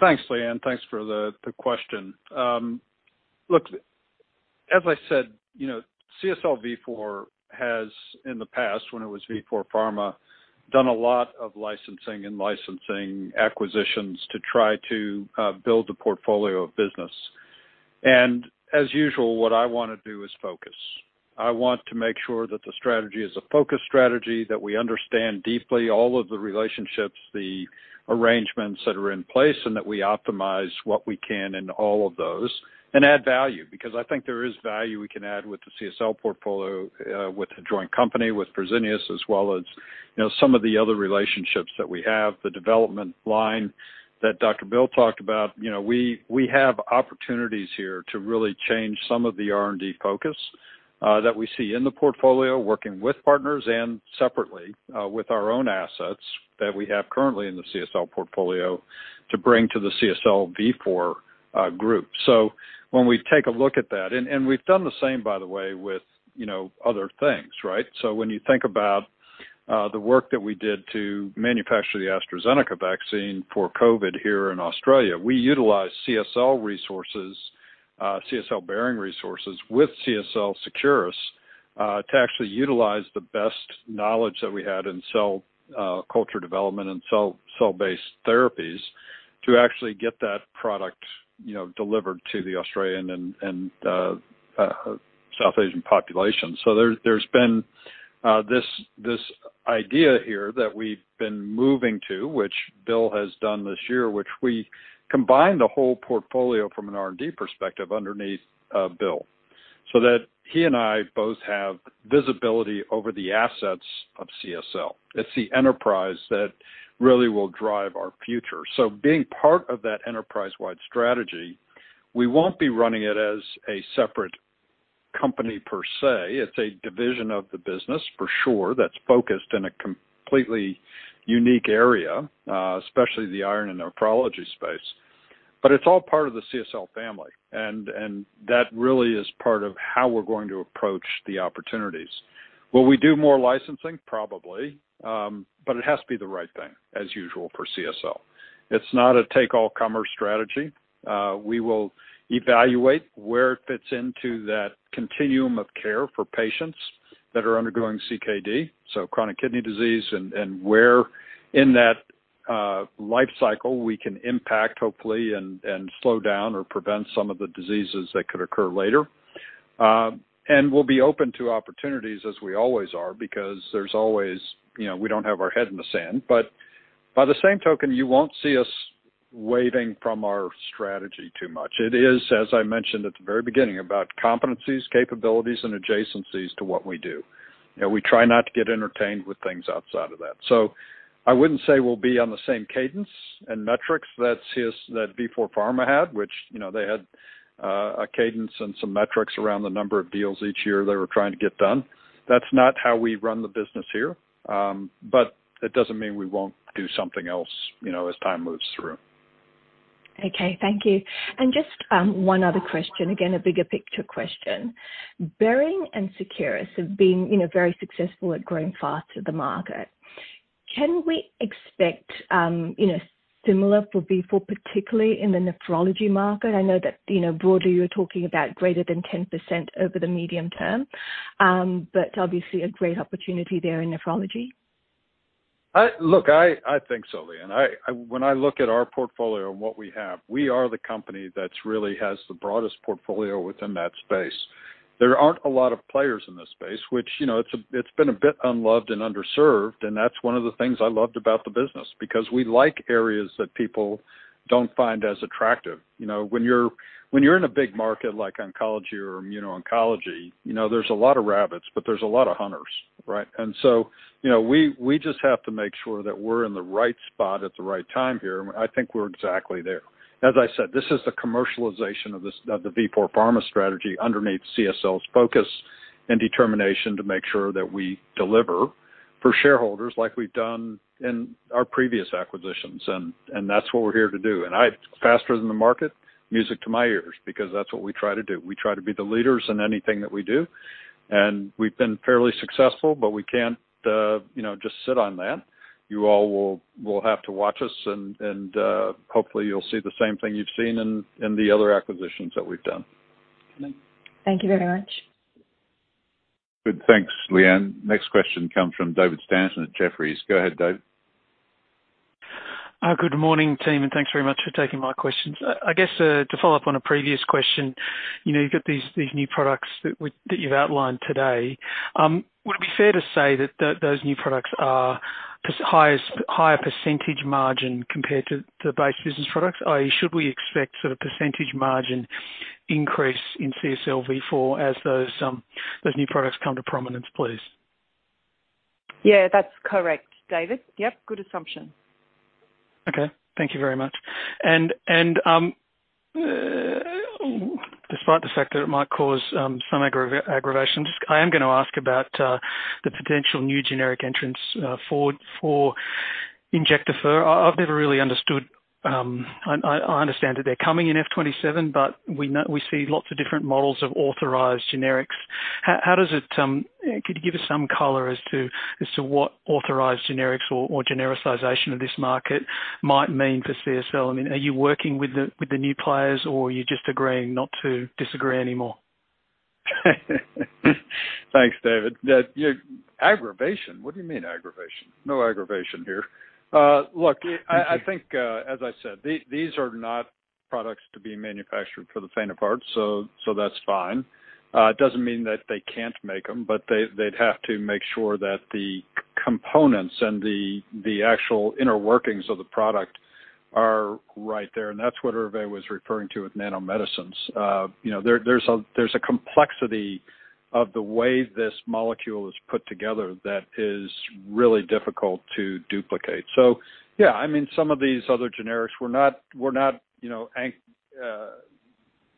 S3: Thanks, Lyanne. Thanks for the question. Look, as I said, you know, CSL Vifor has in the past, when it was Vifor Pharma, done a lot of licensing and acquisitions to try to build a portfolio of business. As usual, what I wanna do is focus. I want to make sure that the strategy is a focus strategy, that we understand deeply all of the relationships, the arrangements that are in place, and that we optimize what we can in all of those and add value. Because I think there is value we can add with the CSL portfolio, with the joint company, with Fresenius, as well as, you know, some of the other relationships that we have, the development line that Dr. Bill talked about. You know, we have opportunities here to really change some of the R&D focus that we see in the portfolio, working with partners and separately with our own assets that we have currently in the CSL portfolio to bring to the CSL Vifor group. We've done the same, by the way, with, you know, other things, right? When you think about the work that we did to manufacture the AstraZeneca vaccine for COVID here in Australia, we utilized CSL resources, CSL Behring resources with CSL Seqirus to actually utilize the best knowledge that we had in cell culture development and cell-based therapies to actually get that product, you know, delivered to the Australian and South Asian population. There's been this idea here that we've been moving to, which Bill has done this year, which we combined the whole portfolio from an R&D perspective underneath Bill, so that he and I both have visibility over the assets of CSL. It's the enterprise that really will drive our future. Being part of that enterprise-wide strategy, we won't be running it as a separate company per se. It's a division of the business for sure, that's focused in a completely unique area, especially the iron and nephrology space, but it's all part of the CSL family, and that really is part of how we're going to approach the opportunities. Will we do more licensing? Probably. It has to be the right thing as usual for CSL. It's not a take-all-comer strategy. We will evaluate where it fits into that continuum of care for patients that are undergoing CKD, so chronic kidney disease, and where in that life cycle we can impact, hopefully, and slow down or prevent some of the diseases that could occur later. We'll be open to opportunities as we always are, because there's always. You know, we don't have our head in the sand. By the same token, you won't see us wavering from our strategy too much. It is, as I mentioned at the very beginning, about competencies, capabilities and adjacencies to what we do. You know, we try not to get entertained with things outside of that. I wouldn't say we'll be on the same cadence and metrics that Vifor Pharma had, which, you know, they had a cadence and some metrics around the number of deals each year they were trying to get done. That's not how we run the business here. It doesn't mean we won't do something else, you know, as time moves through.
S11: Okay. Thank you. Just one other question. Again, a bigger picture question. CSL Behring and CSL Seqirus have been, you know, very successful at growing fast to the market. Can we expect, you know, similar for CSL Vifor, particularly in the nephrology market? I know that, you know, broadly you're talking about greater than 10% over the medium term. Obviously a great opportunity there in nephrology.
S3: Look, I think so, Lyanne. When I look at our portfolio and what we have, we are the company that's really has the broadest portfolio within that space. There aren't a lot of players in this space which, you know, it's been a bit unloved and underserved, and that's one of the things I loved about the business because we like areas that people don't find as attractive. You know, when you're in a big market like oncology or immuno-oncology, you know, there's a lot of rabbits, but there's a lot of hunters, right? You know, we just have to make sure that we're in the right spot at the right time here, and I think we're exactly there. As I said, this is the commercialization of this, of the Vifor Pharma strategy underneath CSL's focus and determination to make sure that we deliver for shareholders like we've done in our previous acquisitions. That's what we're here to do. Faster than the market, music to my ears because that's what we try to do. We try to be the leaders in anything that we do, and we've been fairly successful, but we can't, you know, just sit on that. You all will have to watch us and hopefully you'll see the same thing you've seen in the other acquisitions that we've done.
S11: Thank you very much.
S2: Good. Thanks, Lyanne. Next question comes from David Stanton at Jefferies. Go ahead, Dave.
S12: Good morning, team, and thanks very much for taking my questions. I guess, to follow up on a previous question, you know, you've got these new products that you've outlined today. Would it be fair to say that those new products are higher percentage margin compared to base business products? Or should we expect sort of percentage margin increase in CSL Vifor as those new products come to prominence, please?
S7: Yeah, that's correct, David. Yep, good assumption.
S12: Okay. Thank you very much. Despite the fact that it might cause some aggravation, I am gonna ask about the potential new generic entrants for Injectafer. I've never really understood. I understand that they're coming in FY 2027, but we see lots of different models of authorized generics. Could you give us some color as to what authorized generics or genericization of this market might mean for CSL? I mean, are you working with the new players or are you just agreeing not to disagree anymore?
S3: Thanks, David. That. Aggravation? What do you mean aggravation? No aggravation here. Look, I think, as I said, these are not products to be manufactured for the faint of heart, so that's fine. It doesn't mean that they can't make them, but they'd have to make sure that the components and the actual inner workings of the product are right there, and that's what Hervé was referring to with nanomedicines. You know, there's a complexity of the way this molecule is put together that is really difficult to duplicate. So yeah, I mean, some of these other generics, we're not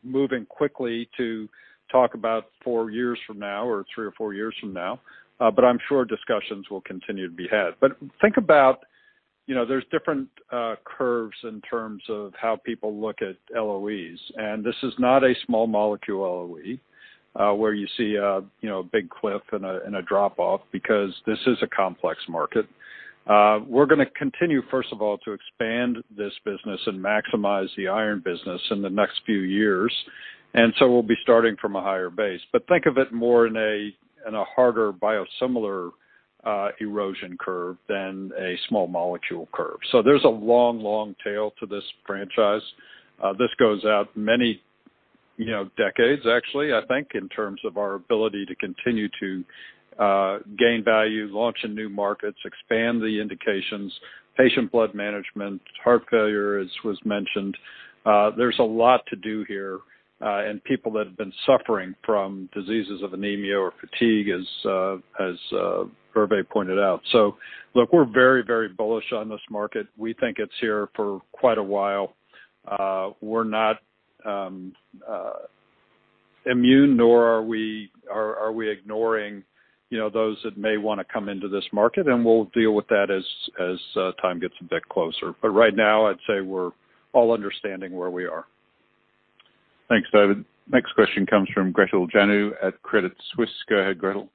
S3: moving quickly to talk about four years from now or three or four years from now, but I'm sure discussions will continue to be had. Think about, you know, there's different curves in terms of how people look at LOEs, and this is not a small molecule LOE, where you see a, you know, a big cliff and a drop off because this is a complex market. We're gonna continue, first of all, to expand this business and maximize the iron business in the next few years. We'll be starting from a higher base. Think of it more in a harder biosimilar erosion curve than a small molecule curve. There's a long tail to this franchise. This goes out many, you know, decades actually, I think, in terms of our ability to continue to gain value, launch in new markets, expand the indications, patient blood management, heart failure as was mentioned. There's a lot to do here, and people that have been suffering from diseases of anemia or fatigue as Hervé pointed out. Look, we're very, very bullish on this market. We think it's here for quite a while. We're not immune nor are we ignoring, you know, those that may wanna come into this market, and we'll deal with that as time gets a bit closer. Right now I'd say we're all understanding where we are.
S2: Thanks, David. Next question comes from Gretel Janu at Credit Suisse. Go ahead, Gretel.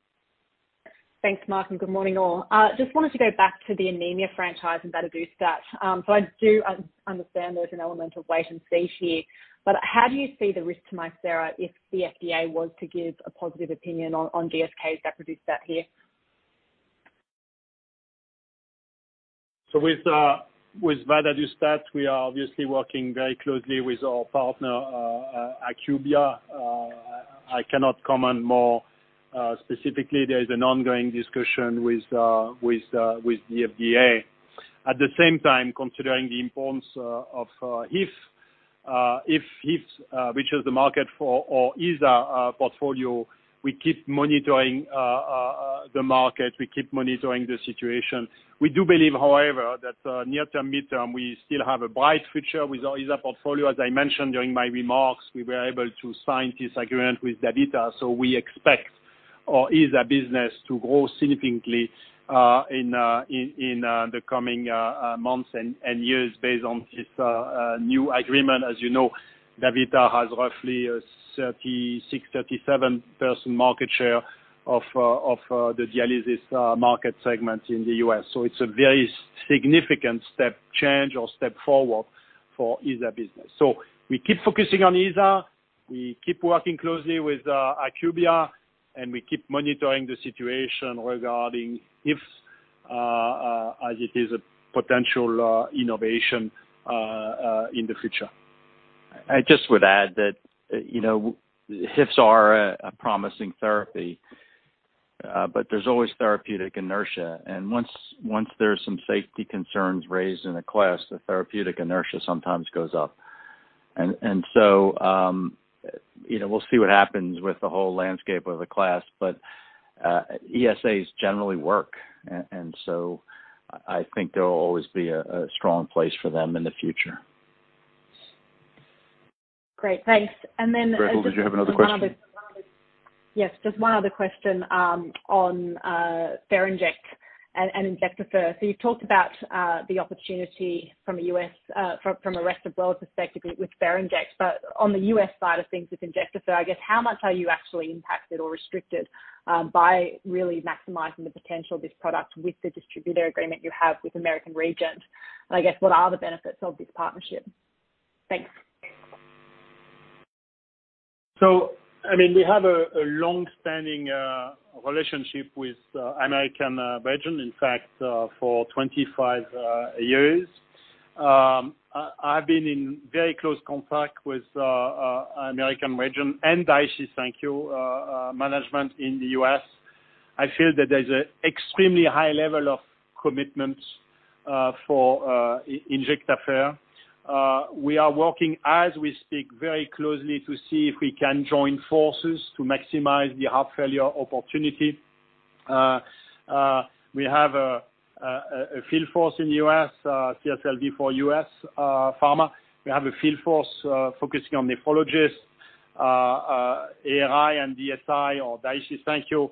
S13: Thanks, Mark, and good morning all. Just wanted to go back to the anemia franchise and vadadustat. I do understand there's an element of wait and see here, but how do you see the risk to Mircera if the FDA was to give a positive opinion on GSK's daprodustat here?
S5: With vadadustat, we are obviously working very closely with our partner, Akebia. I cannot comment more. Specifically, there is an ongoing discussion with the FDA. At the same time, considering the importance of HIF-PHIs, if HIF-PHIs reaches the market for our portfolio, we keep monitoring the market, we keep monitoring the situation. We do believe, however, that near term, mid term, we still have a bright future with our ESA portfolio. As I mentioned during my remarks, we were able to sign this agreement with DaVita, so we expect our ESA business to grow significantly in the coming months and years based on this new agreement. As you know, DaVita has roughly a 36%-37% market share of the dialysis market segment in the U.S. It's a very significant step change or step forward for ESA business. We keep focusing on ESA, we keep working closely with Akebia, and we keep monitoring the situation regarding HIF-PHIs as it is a potential innovation in the future.
S6: I just would add that, you know, HIF-PHIs are a promising therapy, but there's always therapeutic inertia. Once there's some safety concerns raised in a class, the therapeutic inertia sometimes goes up. You know, we'll see what happens with the whole landscape of the class. ESAs generally work and so I think there will always be a strong place for them in the future.
S13: Great. Thanks.
S2: Gretel, did you have another question?
S13: Yes, just one other question on Ferinject and Injectafer. You've talked about the opportunity from a rest of world perspective with Ferinject, but on the U.S. side of things with Injectafer, I guess how much are you actually impacted or restricted by really maximizing the potential of this product with the distributor agreement you have with American Regent? And I guess what are the benefits of this partnership? Thanks.
S5: I mean, we have a long-standing relationship with American Regent, in fact, for 25 years. I've been in very close contact with American Regent and Daiichi Sankyo management in the US. I feel that there's an extremely high level of commitment for Injectafer. We are working, as we speak, very closely to see if we can join forces to maximize the heart failure opportunity. We have a field force in the US, CSL Vifor US pharma. We have a field force focusing on nephrologists. American Regent and DSI or Daiichi Sankyo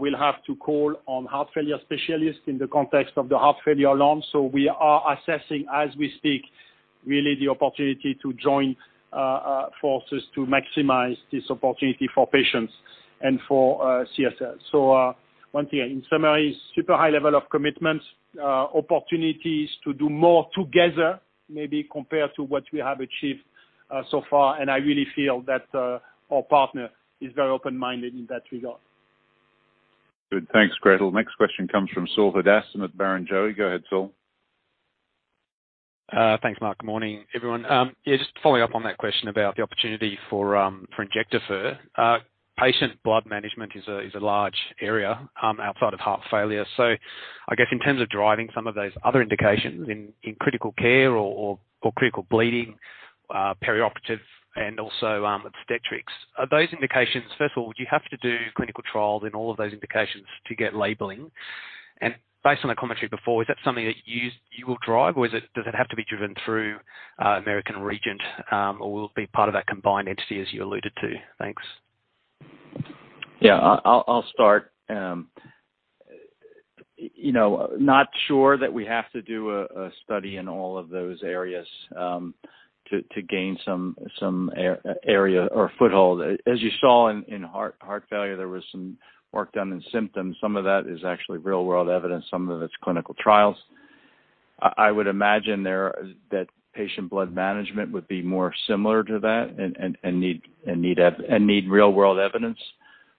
S5: will have to call on heart failure specialists in the context of the heart failure launch. We are assessing, as we speak, really the opportunity to join forces to maximize this opportunity for patients and for CSL. One thing in summary, super high level of commitment, opportunities to do more together, maybe compared to what we have achieved so far. I really feel that our partner is very open-minded in that regard.
S2: Good. Thanks, Gretel. Next question comes from Saul Hadassin at Barrenjoey. Go ahead, Saul.
S14: Thanks, Mark. Good morning, everyone. Yeah, just following up on that question about the opportunity for Injectafer. Patient blood management is a large area outside of heart failure. I guess in terms of driving some of those other indications in critical care or critical bleeding, perioperative and also obstetrics, are those indications? First of all, would you have to do clinical trials in all of those indications to get labeling? Based on the commentary before, is that something that you will drive, or does it have to be driven through American Regent, or will it be part of that combined entity as you alluded to? Thanks.
S6: I'll start. You know, not sure that we have to do a study in all of those areas to gain some area or foothold. As you saw in heart failure, there was some work done in symptoms. Some of that is actually real world evidence, some of it's clinical trials. I would imagine that patient blood management would be more similar to that and need real world evidence,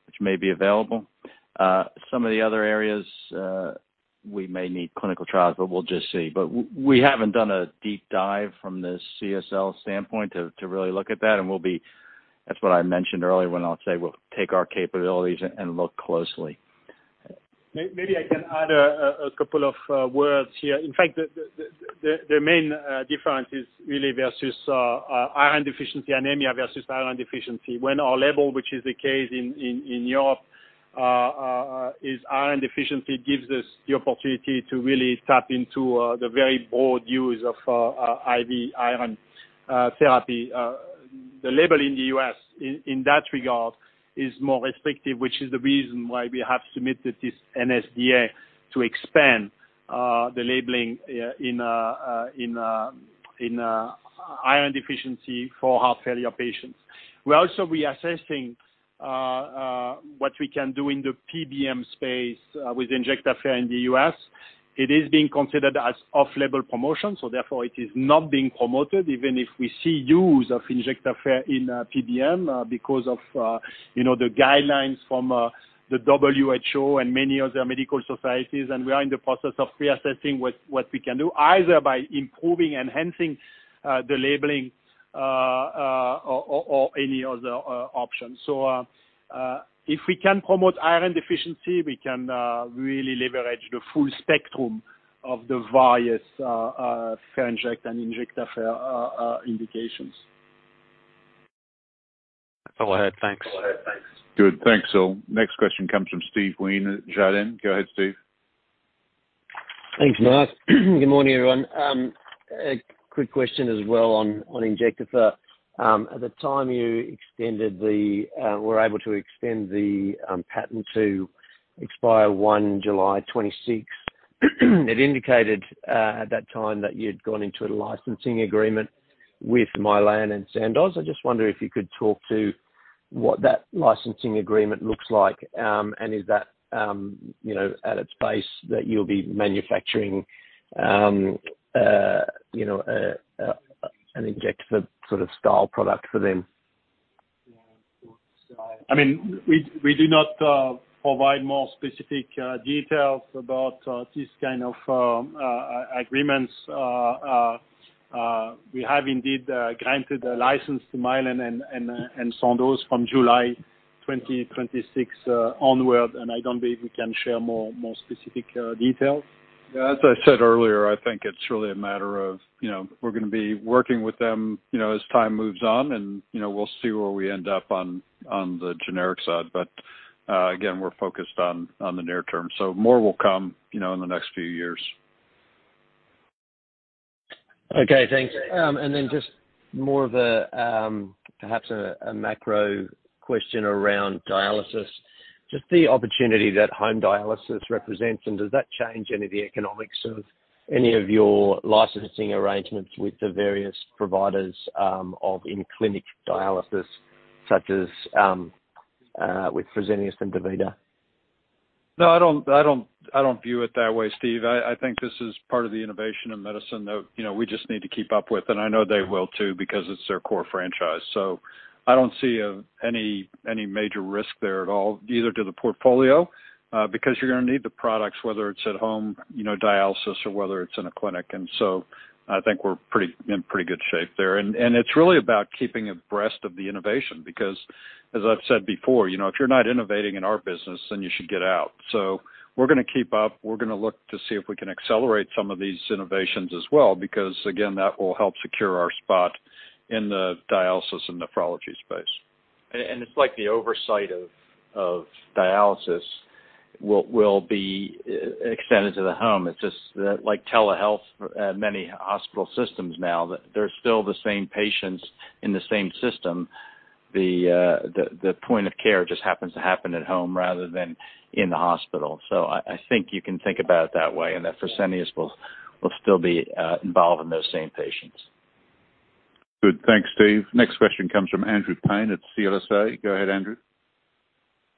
S6: which may be available. Some of the other areas, we may need clinical trials, but we'll just see. We haven't done a deep dive from the CSL standpoint to really look at that. We'll be, that's what I mentioned earlier when I'll say we'll take our capabilities and look closely.
S5: Maybe I can add a couple of words here. In fact, the main difference is really versus iron deficiency anemia versus iron deficiency. When our label, which is the case in Europe, is iron deficiency, gives us the opportunity to really tap into the very broad use of IV iron therapy. The label in the U.S. in that regard is more restrictive, which is the reason why we have submitted this sNDA to expand the labeling in iron deficiency for heart failure patients. We're also reassessing what we can do in the PBM space with Injectafer in the U.S. It is being considered as off-label promotion, so therefore it is not being promoted, even if we see use of Injectafer in PBM, because of you know, the guidelines from the WHO and many other medical societies. We are in the process of reassessing what we can do, either by improving, enhancing, the labeling, or any other option. If we can promote iron deficiency, we can really leverage the full spectrum of the various Ferinject and Injectafer indications.
S14: Go ahead. Thanks.
S2: Good, thanks. Next question comes from Steve Wheen, Jarden. Go ahead, Steve.
S15: Thanks, Mark. Good morning, everyone. A quick question as well on Injectafer. At the time you were able to extend the patent to expire 1 July, 2026. It indicated at that time that you'd gone into a licensing agreement with Mylan and Sandoz. I just wonder if you could talk to what that licensing agreement looks like. And is that, you know, at its base that you'll be manufacturing, you know, an Injectafer sort of style product for them?
S5: I mean, we do not provide more specific details about this kind of agreements. We have indeed granted a license to Mylan and Sandoz from July 2026 onward, and I don't believe we can share more specific details.
S6: Yeah, as I said earlier, I think it's really a matter of, you know, we're gonna be working with them, you know, as time moves on, and, you know, we'll see where we end up on the generic side. But, again, we're focused on the near term, so more will come, you know, in the next few years.
S15: Okay, thanks. Just more of a macro question around dialysis, just the opportunity that home dialysis represents, and does that change any of the economics of any of your licensing arrangements with the various providers of in-clinic dialysis, such as with Fresenius and DaVita?
S3: No, I don't view it that way, Steve. I think this is part of the innovation in medicine that, you know, we just need to keep up with, and I know they will too, because it's their core franchise. I don't see any major risk there at all, either to the portfolio, because you're gonna need the products, whether it's at home, you know, dialysis or whether it's in a clinic. It's really about keeping abreast of the innovation because as I've said before, you know, if you're not innovating in our business, then you should get out. We're gonna keep up. We're gonna look to see if we can accelerate some of these innovations as well, because again, that will help secure our spot in the dialysis and nephrology space.
S6: It's like the oversight of dialysis will be extended to the home. It's just that like telehealth, many hospital systems now, they're still the same patients in the same system. The point of care just happens to happen at home rather than in the hospital. I think you can think about it that way, and that Fresenius will still be involved in those same patients.
S2: Good. Thanks, Steve. Next question comes from Andrew Paine at CLSA. Go ahead, Andrew.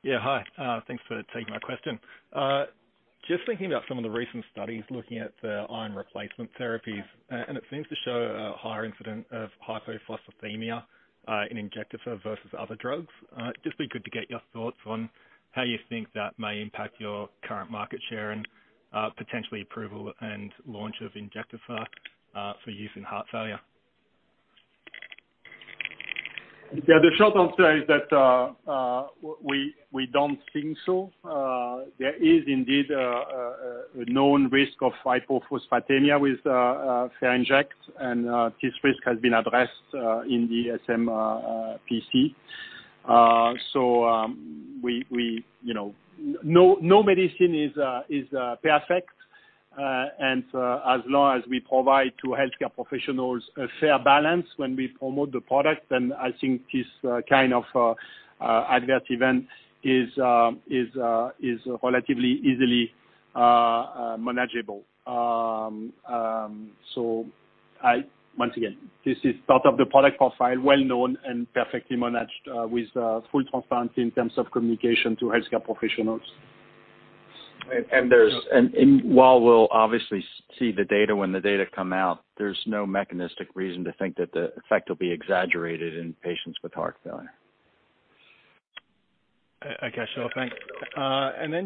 S16: Yeah. Hi, thanks for taking my question. Just thinking about some of the recent studies looking at the iron replacement therapies, and it seems to show a higher incidence of hypophosphatemia in Injectafer versus other drugs. It'd be good to get your thoughts on how you think that may impact your current market share and potentially approval and launch of Injectafer for use in heart failure.
S5: Yeah. The short answer is that we don't think so. There is indeed a known risk of hypophosphatemia with Ferinject and this risk has been addressed in the SmPC. We you know no medicine is perfect. As long as we provide to healthcare professionals a fair balance when we promote the product, then I think this kind of adverse event is relatively easily manageable. Once again, this is part of the product profile, well known and perfectly managed with full transparency in terms of communication to healthcare professionals.
S6: While we'll obviously see the data when the data come out, there's no mechanistic reason to think that the effect will be exaggerated in patients with heart failure.
S16: Okay, sure. Thanks.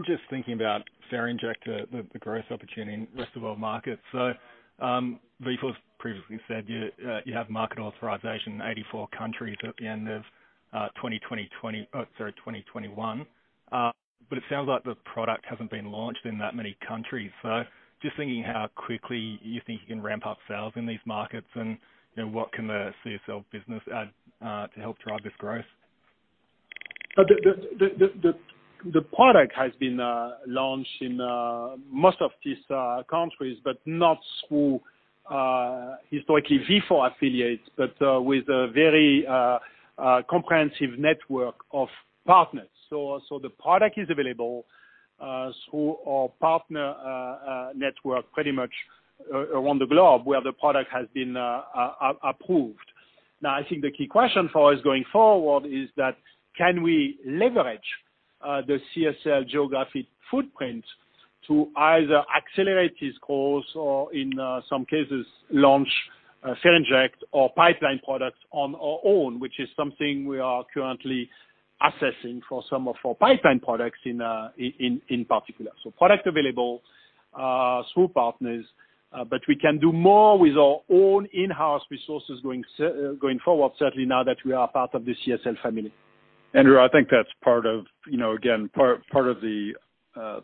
S16: Just thinking about Ferinject, the growth opportunity in rest of world markets. Vifor's previously said you have market authorization in 84 countries at the end of 2021. It sounds like the product hasn't been launched in that many countries. Just thinking how quickly you think you can ramp up sales in these markets and, you know, what can the CSL business add to help drive this growth?
S5: The product has been launched in most of these countries, but not through historically Vifor affiliates, but with a very comprehensive network of partners. The product is available through our partner network pretty much around the globe, where the product has been approved. Now, I think the key question for us going forward is that can we leverage the CSL geographic footprint to either accelerate this course or in some cases launch Ferinject or pipeline products on our own, which is something we are currently assessing for some of our pipeline products in particular. Product available through partners, but we can do more with our own in-house resources going forward, certainly now that we are part of the CSL family.
S3: Andrew, I think that's part of, you know, again, part of the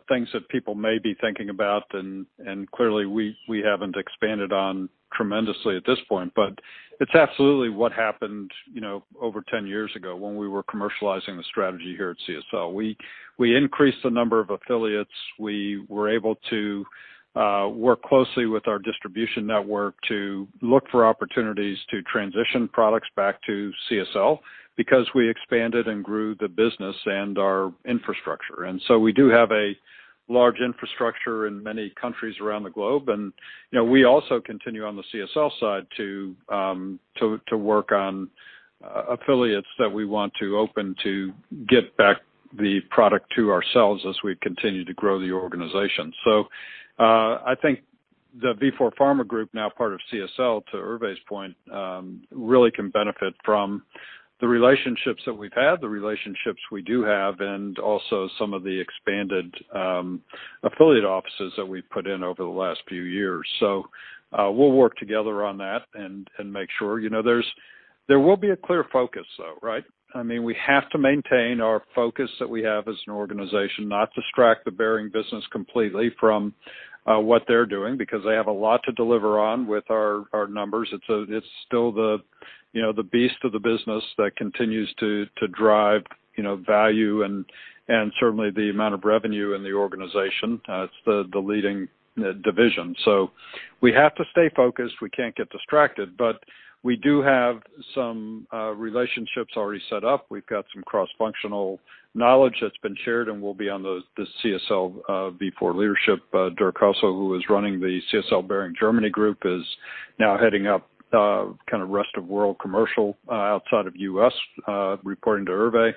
S3: things that people may be thinking about, and clearly we haven't expanded on tremendously at this point. But it's absolutely what happened, you know, over 10 years ago when we were commercializing the strategy here at CSL. We increased the number of affiliates. We were able to work closely with our distribution network to look for opportunities to transition products back to CSL because we expanded and grew the business and our infrastructure. We do have a large infrastructure in many countries around the globe. You know, we also continue on the CSL side to work on affiliates that we want to open to get back the product to ourselves as we continue to grow the organization. I think the Vifor Pharma group, now part of CSL, to Hervé's point, really can benefit from the relationships that we've had, the relationships we do have, and also some of the expanded affiliate offices that we've put in over the last few years. We'll work together on that and make sure. You know, there will be a clear focus though, right? I mean, we have to maintain our focus that we have as an organization, not distract the Behring business completely from what they're doing because they have a lot to deliver on with our numbers. It's still the beast of the business that continues to drive value and certainly the amount of revenue in the organization. It's the leading division. We have to stay focused. We can't get distracted. We do have some relationships already set up. We've got some cross-functional knowledge that's been shared and will be on the CSL Vifor leadership. Dirk As-sauer, who is running the CSL Behring Germany group, is now heading up kind of rest-of-world commercial outside of U.S., reporting to Hervé.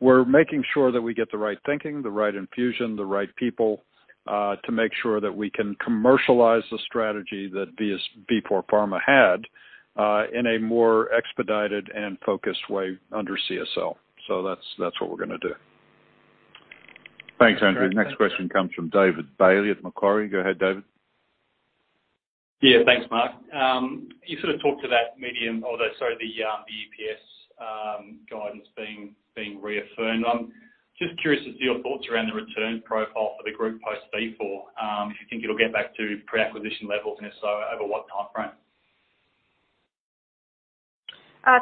S3: We're making sure that we get the right thinking, the right infusion, the right people to make sure that we can commercialize the strategy that Vifor Pharma had in a more expedited and focused way under CSL. That's what we're gonna do.
S2: Thanks, Andrew. Next question comes from David Bailey at Morgan Stanley. Go ahead, David.
S17: Yeah, thanks, Mark. You sort of talked to that, the EPS guidance being reaffirmed. I'm just curious to see your thoughts around the return profile for the group post Vifor, if you think it'll get back to pre-acquisition levels, and if so, over what timeframe?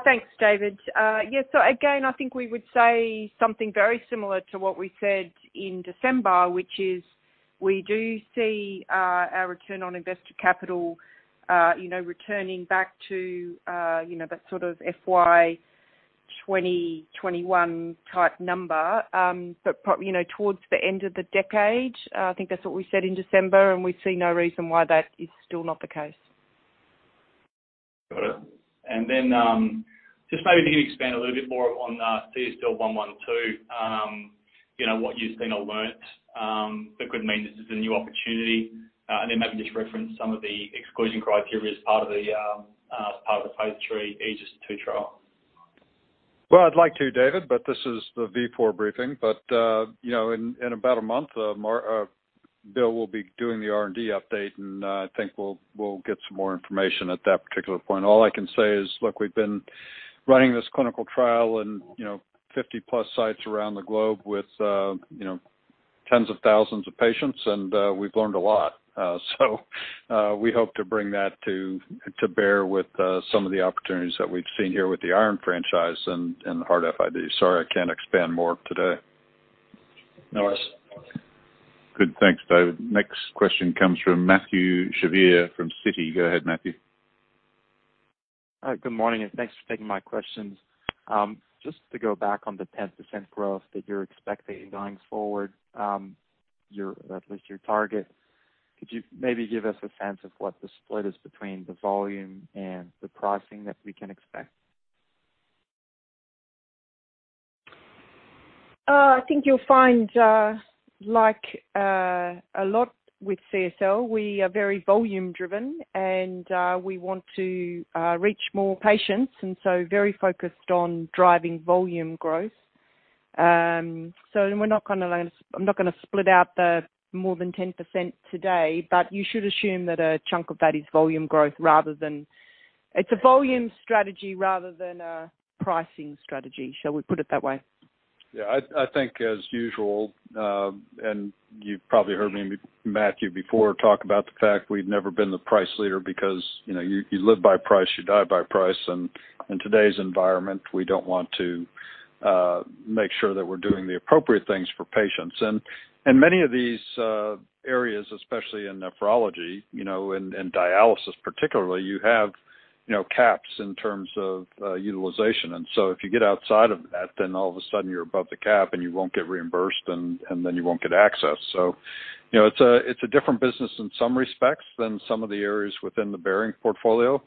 S7: Thanks, David. Yes, again, I think we would say something very similar to what we said in December, which is we do see our return on investor capital, you know, returning back to, you know, that sort of FY 2021 type number, but you know, towards the end of the decade. I think that's what we said in December, and we see no reason why that is still not the case.
S17: Got it. Just maybe can you expand a little bit more on CSL112? You know, what you've seen or learnt that could mean this is a new opportunity, and then maybe just reference some of the exclusion criteria as part of the phase III AEGIS-II trial.
S3: Well, I'd like to, David, but this is the Vifor briefing. You know in about a month our Bill will be doing the R&D update, and I think we'll get some more information at that particular point. All I can say is, look, we've been running this clinical trial and you know 50-plus sites around the globe with you know tens of thousands of patients, and we've learned a lot. We hope to bring that to bear with some of the opportunities that we've seen here with the iron franchise and the HEART-FID. Sorry, I can't expand more today.
S17: No worries.
S2: Good. Thanks, David. Next question comes from Mathieu Chevrier from Citi. Go ahead, Mathieu.
S18: Hi, good morning, and thanks for taking my questions. Just to go back on the 10% growth that you're expecting going forward, at least your target, could you maybe give us a sense of what the split is between the volume and the pricing that we can expect?
S7: I think you'll find, like, a lot with CSL, we are very volume driven, and we want to reach more patients, and so very focused on driving volume growth. We're not gonna, I'm not gonna split out the more than 10% today, but you should assume that a chunk of that is volume growth rather than. It's a volume strategy rather than a pricing strategy, shall we put it that way?
S3: Yeah, I think as usual, and you've probably heard me, Mathieu, before talk about the fact we've never been the price leader because, you know, you live by price, you die by price, and in today's environment, we don't want to make sure that we're doing the appropriate things for patients. Many of these areas, especially in nephrology, you know, and dialysis particularly, you have caps in terms of utilization. If you get outside of that, then all of a sudden you're above the cap, and you won't get reimbursed, and then you won't get access. You know, it's a different business in some respects than some of the areas within the Behring portfolio,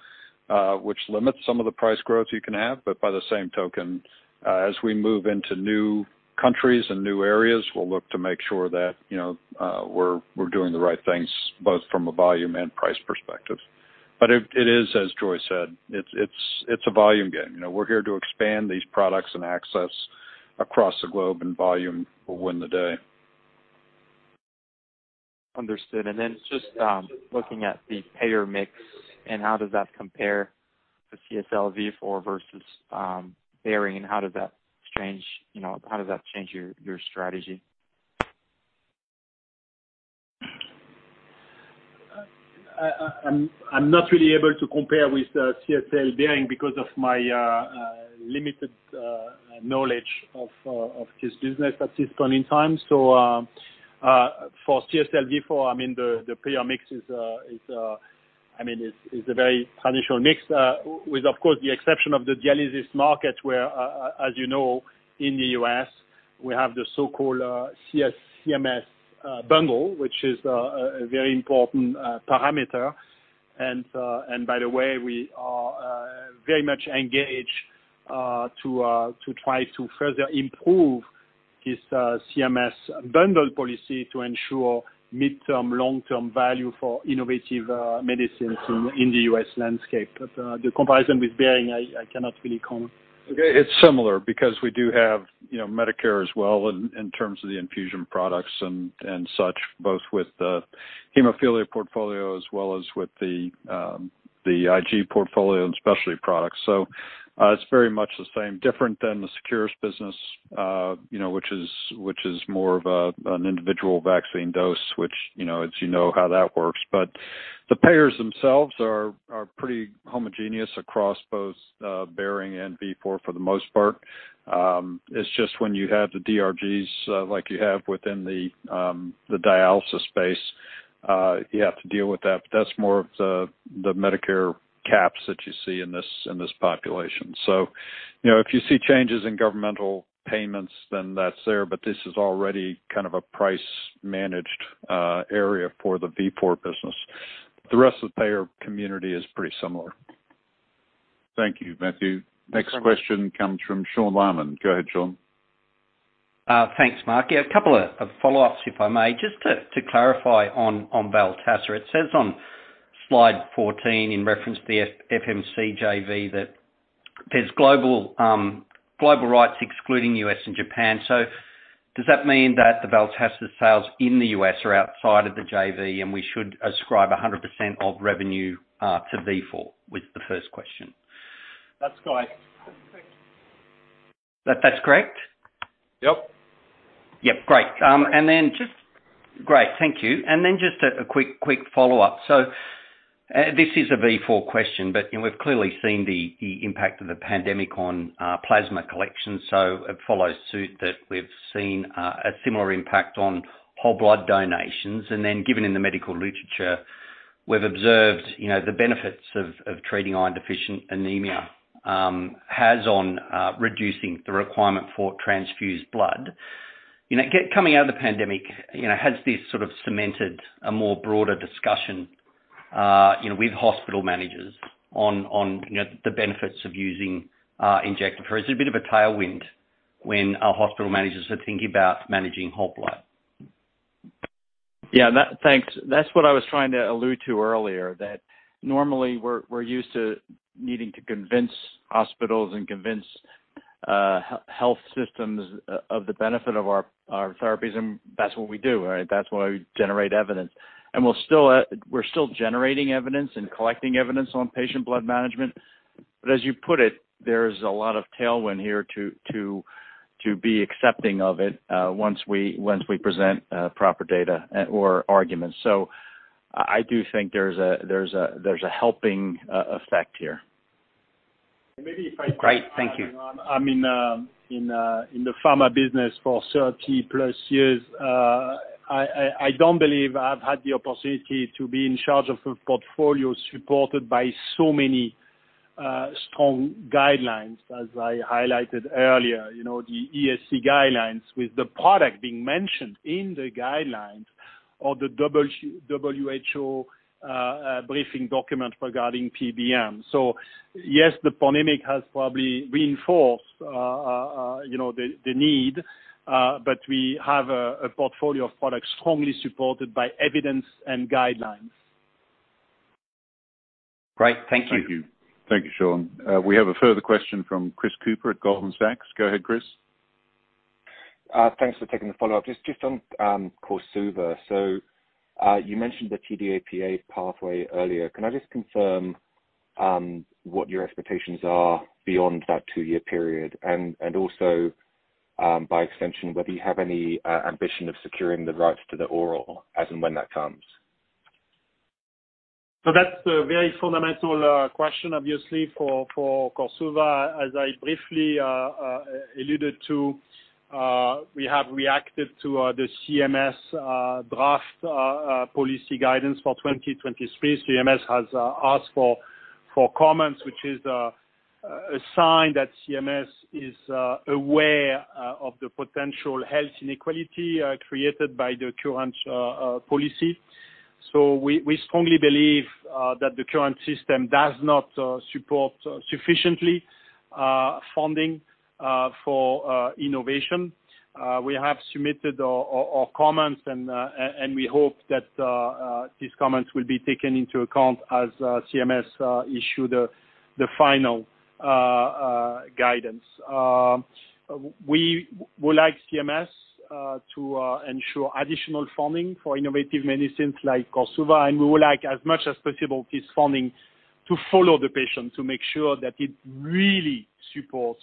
S3: which limits some of the price growth you can have. By the same token, as we move into new countries and new areas, we'll look to make sure that, you know, we're doing the right things both from a volume and price perspective. It is, as Joy said, it's a volume game. You know, we're here to expand these products and access across the globe and volume will win the day.
S18: Understood. Just looking at the payer mix and how does that compare to CSL Vifor versus Barrenjoey, and how does that change, you know, how does that change your strategy?
S5: I'm not really able to compare with CSL Behring because of my limited knowledge of his business at this point in time. For CSL Vifor, I mean, the payer mix is a very traditional mix. With of course, the exception of the dialysis market where, as you know, in the U.S., we have the so-called CMS bundle, which is a very important parameter. And by the way, we are very much engaged to try to further improve this CMS bundle policy to ensure midterm, long-term value for innovative medicines in the U.S. landscape. The comparison with Behring, I cannot really comment.
S3: It's similar because we do have, you know, Medicare as well in terms of the infusion products and such, both with the hemophilia portfolio as well as with the IG portfolio and specialty products. It's very much the same. Different than the Seqirus business, you know, which is more of an individual vaccine dose, which, you know, it's how that works. The payers themselves are pretty homogeneous across both Behring and Vifor for the most part. It's just when you have the DRGs, like you have within the dialysis space, you have to deal with that, but that's more of the Medicare caps that you see in this population. You know, if you see changes in governmental payments, then that's there, but this is already kind of a price managed area for the Vifor business. The rest of the payer community is pretty similar. Thank you, Mathieu. Next question comes from Sean Laaman. Go ahead, Sean.
S9: Thanks, Mark. Yeah, a couple of follow-ups if I may. Just to clarify on Veltassa. It says on slide 14 in reference to the FMC JV that there's global rights excluding U.S. and Japan. So does that mean that the Veltassa sales in the U.S. are outside of the JV, and we should ascribe 100% of revenue to Vifor? Was the first question.
S5: That's correct.
S9: That's correct?
S5: Yep.
S9: Yep, great. Great. Thank you. Then just a quick follow-up. This is a Vifor question, but you know, we've clearly seen the impact of the pandemic on plasma collection. It follows suit that we've seen a similar impact on whole blood donations. Given in the medical literature, we've observed you know, the benefits of treating iron deficiency anemia has on reducing the requirement for transfused blood. You know, coming out of the pandemic, you know, has this sort of cemented a more broader discussion you know, with hospital managers on you know, the benefits of using injectable? Or is it a bit of a tailwind when our hospital managers are thinking about managing whole blood?
S5: Yeah, thanks. That's what I was trying to allude to earlier, that normally we're used to needing to convince hospitals and convince health systems of the benefit of our therapies, and that's what we do, right? That's why we generate evidence. We're still generating evidence and collecting evidence on patient blood management. As you put it, there's a lot of tailwind here to be accepting of it once we present proper data or arguments. I do think there's a helping effect here.
S9: Great. Thank you.
S2: Thank you. Thank you, Sean. We have a further question from Chris Cooper at Goldman Sachs. Go ahead, Chris.
S10: Thanks for taking the follow-up. Just on Korsuva. You mentioned the TDAPA pathway earlier. Can I just confirm what your expectations are beyond that two-year period? By extension, whether you have any ambition of securing the rights to the oral as and when that comes?
S5: That's a very fundamental question obviously for Korsuva. As I briefly alluded to, we have reacted to the CMS draft policy guidance for 2023. CMS has asked for comments, which is a sign that CMS is aware of the potential health inequality created by the current policy. We strongly believe that the current system does not support sufficiently funding for innovation. We have submitted our comments and we hope that these comments will be taken into account as CMS issue the final guidance. We would like CMS to ensure additional funding for innovative medicines like Korsuva, and we would like, as much as possible, this funding to follow the patient to make sure that it really supports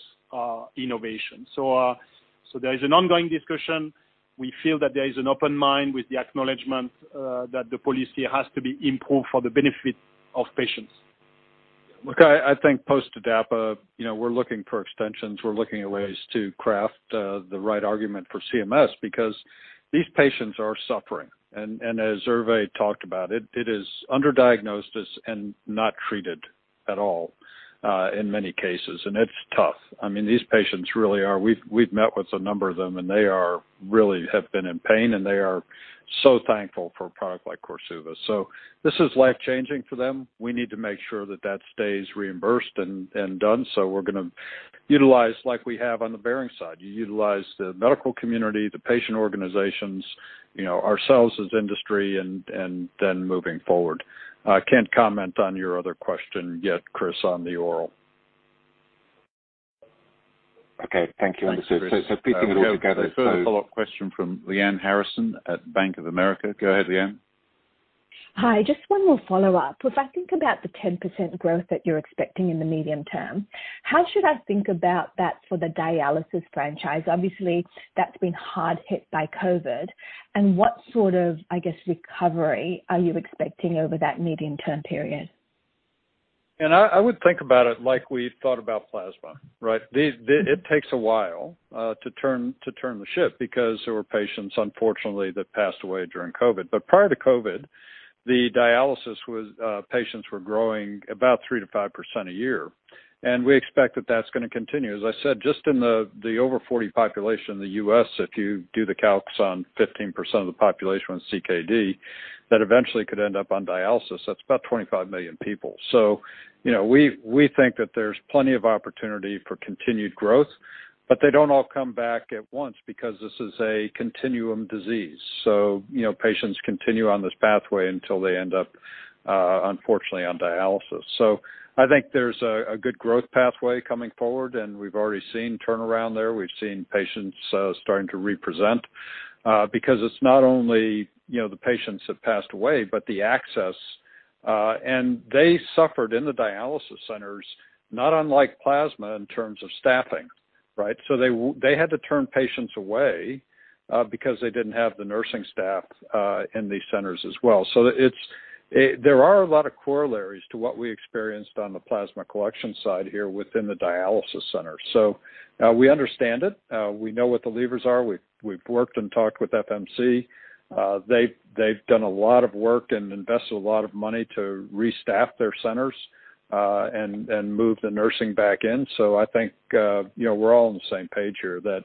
S5: innovation. There is an ongoing discussion. We feel that there is an open mind with the acknowledgement that the policy has to be improved for the benefit of patients.
S3: Look, I think post-DAPA, you know, we're looking for extensions. We're looking at ways to craft the right argument for CMS because these patients are suffering. As Hervé talked about it is underdiagnosed and not treated at all in many cases. It's tough. I mean, these patients really are. We've met with a number of them, and they really have been in pain, and they are so thankful for a product like Korsuva. This is life-changing for them. We need to make sure that that stays reimbursed and done. We're gonna utilize like we have on the Vifor side. You utilize the medical community, the patient organizations, you know, ourselves as industry and then moving forward. I can't comment on your other question yet, Chris, on the oral.
S10: Okay. Thank you.
S3: Thanks, Chris.
S10: Putting it all together.
S2: A further follow-up question from Lyanne Harrison at Bank of America. Go ahead, Lyanne.
S11: Hi. Just one more follow-up. If I think about the 10% growth that you're expecting in the medium term, how should I think about that for the dialysis franchise? Obviously, that's been hard hit by COVID. What sort of, I guess, recovery are you expecting over that medium-term period?
S3: I would think about it like we thought about plasma, right? It takes a while to turn the ship because there were patients unfortunately that passed away during COVID. Prior to COVID, dialysis patients were growing about 3%-5% a year. We expect that that's gonna continue. As I said, just in the over-40 population in the US, if you do the calcs on 15% of the population on CKD that eventually could end up on dialysis, that's about 25 million people. We think that there's plenty of opportunity for continued growth, but they don't all come back at once because this is a continuum disease. Patients continue on this pathway until they end up unfortunately on dialysis. I think there's a good growth pathway coming forward, and we've already seen turnaround there. We've seen patients starting to return because it's not only, you know, the patients have passed away, but the access. They suffered in the dialysis centers, not unlike plasma in terms of staffing, right? They had to turn patients away because they didn't have the nursing staff in these centers as well. There are a lot of corollaries to what we experienced on the plasma collection side here within the dialysis center. We understand it. We know what the levers are. We've worked and talked with FMC. They've done a lot of work and invested a lot of money to restaff their centers and move the nursing back in. I think, you know, we're all on the same page here that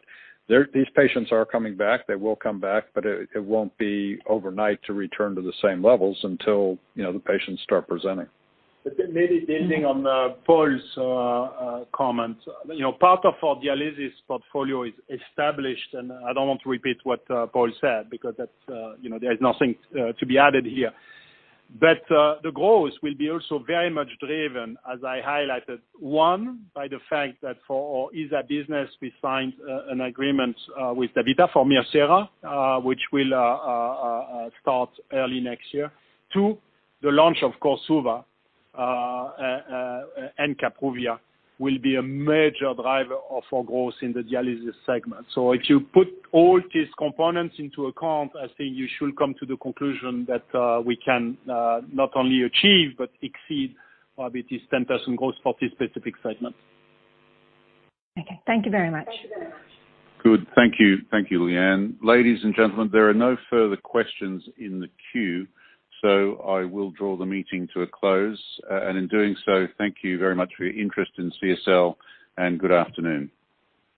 S3: these patients are coming back. They will come back, but it won't be overnight to return to the same levels until, you know, the patients start presenting.
S5: Maybe building on Paul's comment. You know, part of our dialysis portfolio is established, and I don't want to repeat what Paul said because that's, you know, there's nothing to be added here. The growth will be also very much driven, as I highlighted, one, by the fact that for our ESA business, we signed an agreement with DaVita for Mircera, which will start early next year. Two, the launch of Korsuva and Kapruvia will be a major driver of our growth in the dialysis segment. If you put all these components into account, I think you should come to the conclusion that we can not only achieve but exceed with this 10% growth for this specific segment.
S11: Okay. Thank you very much.
S2: Good. Thank you. Thank you, Leanne. Ladies and gentlemen, there are no further questions in the queue, so I will draw the meeting to a close. Thank you very much for your interest in CSL, and good afternoon.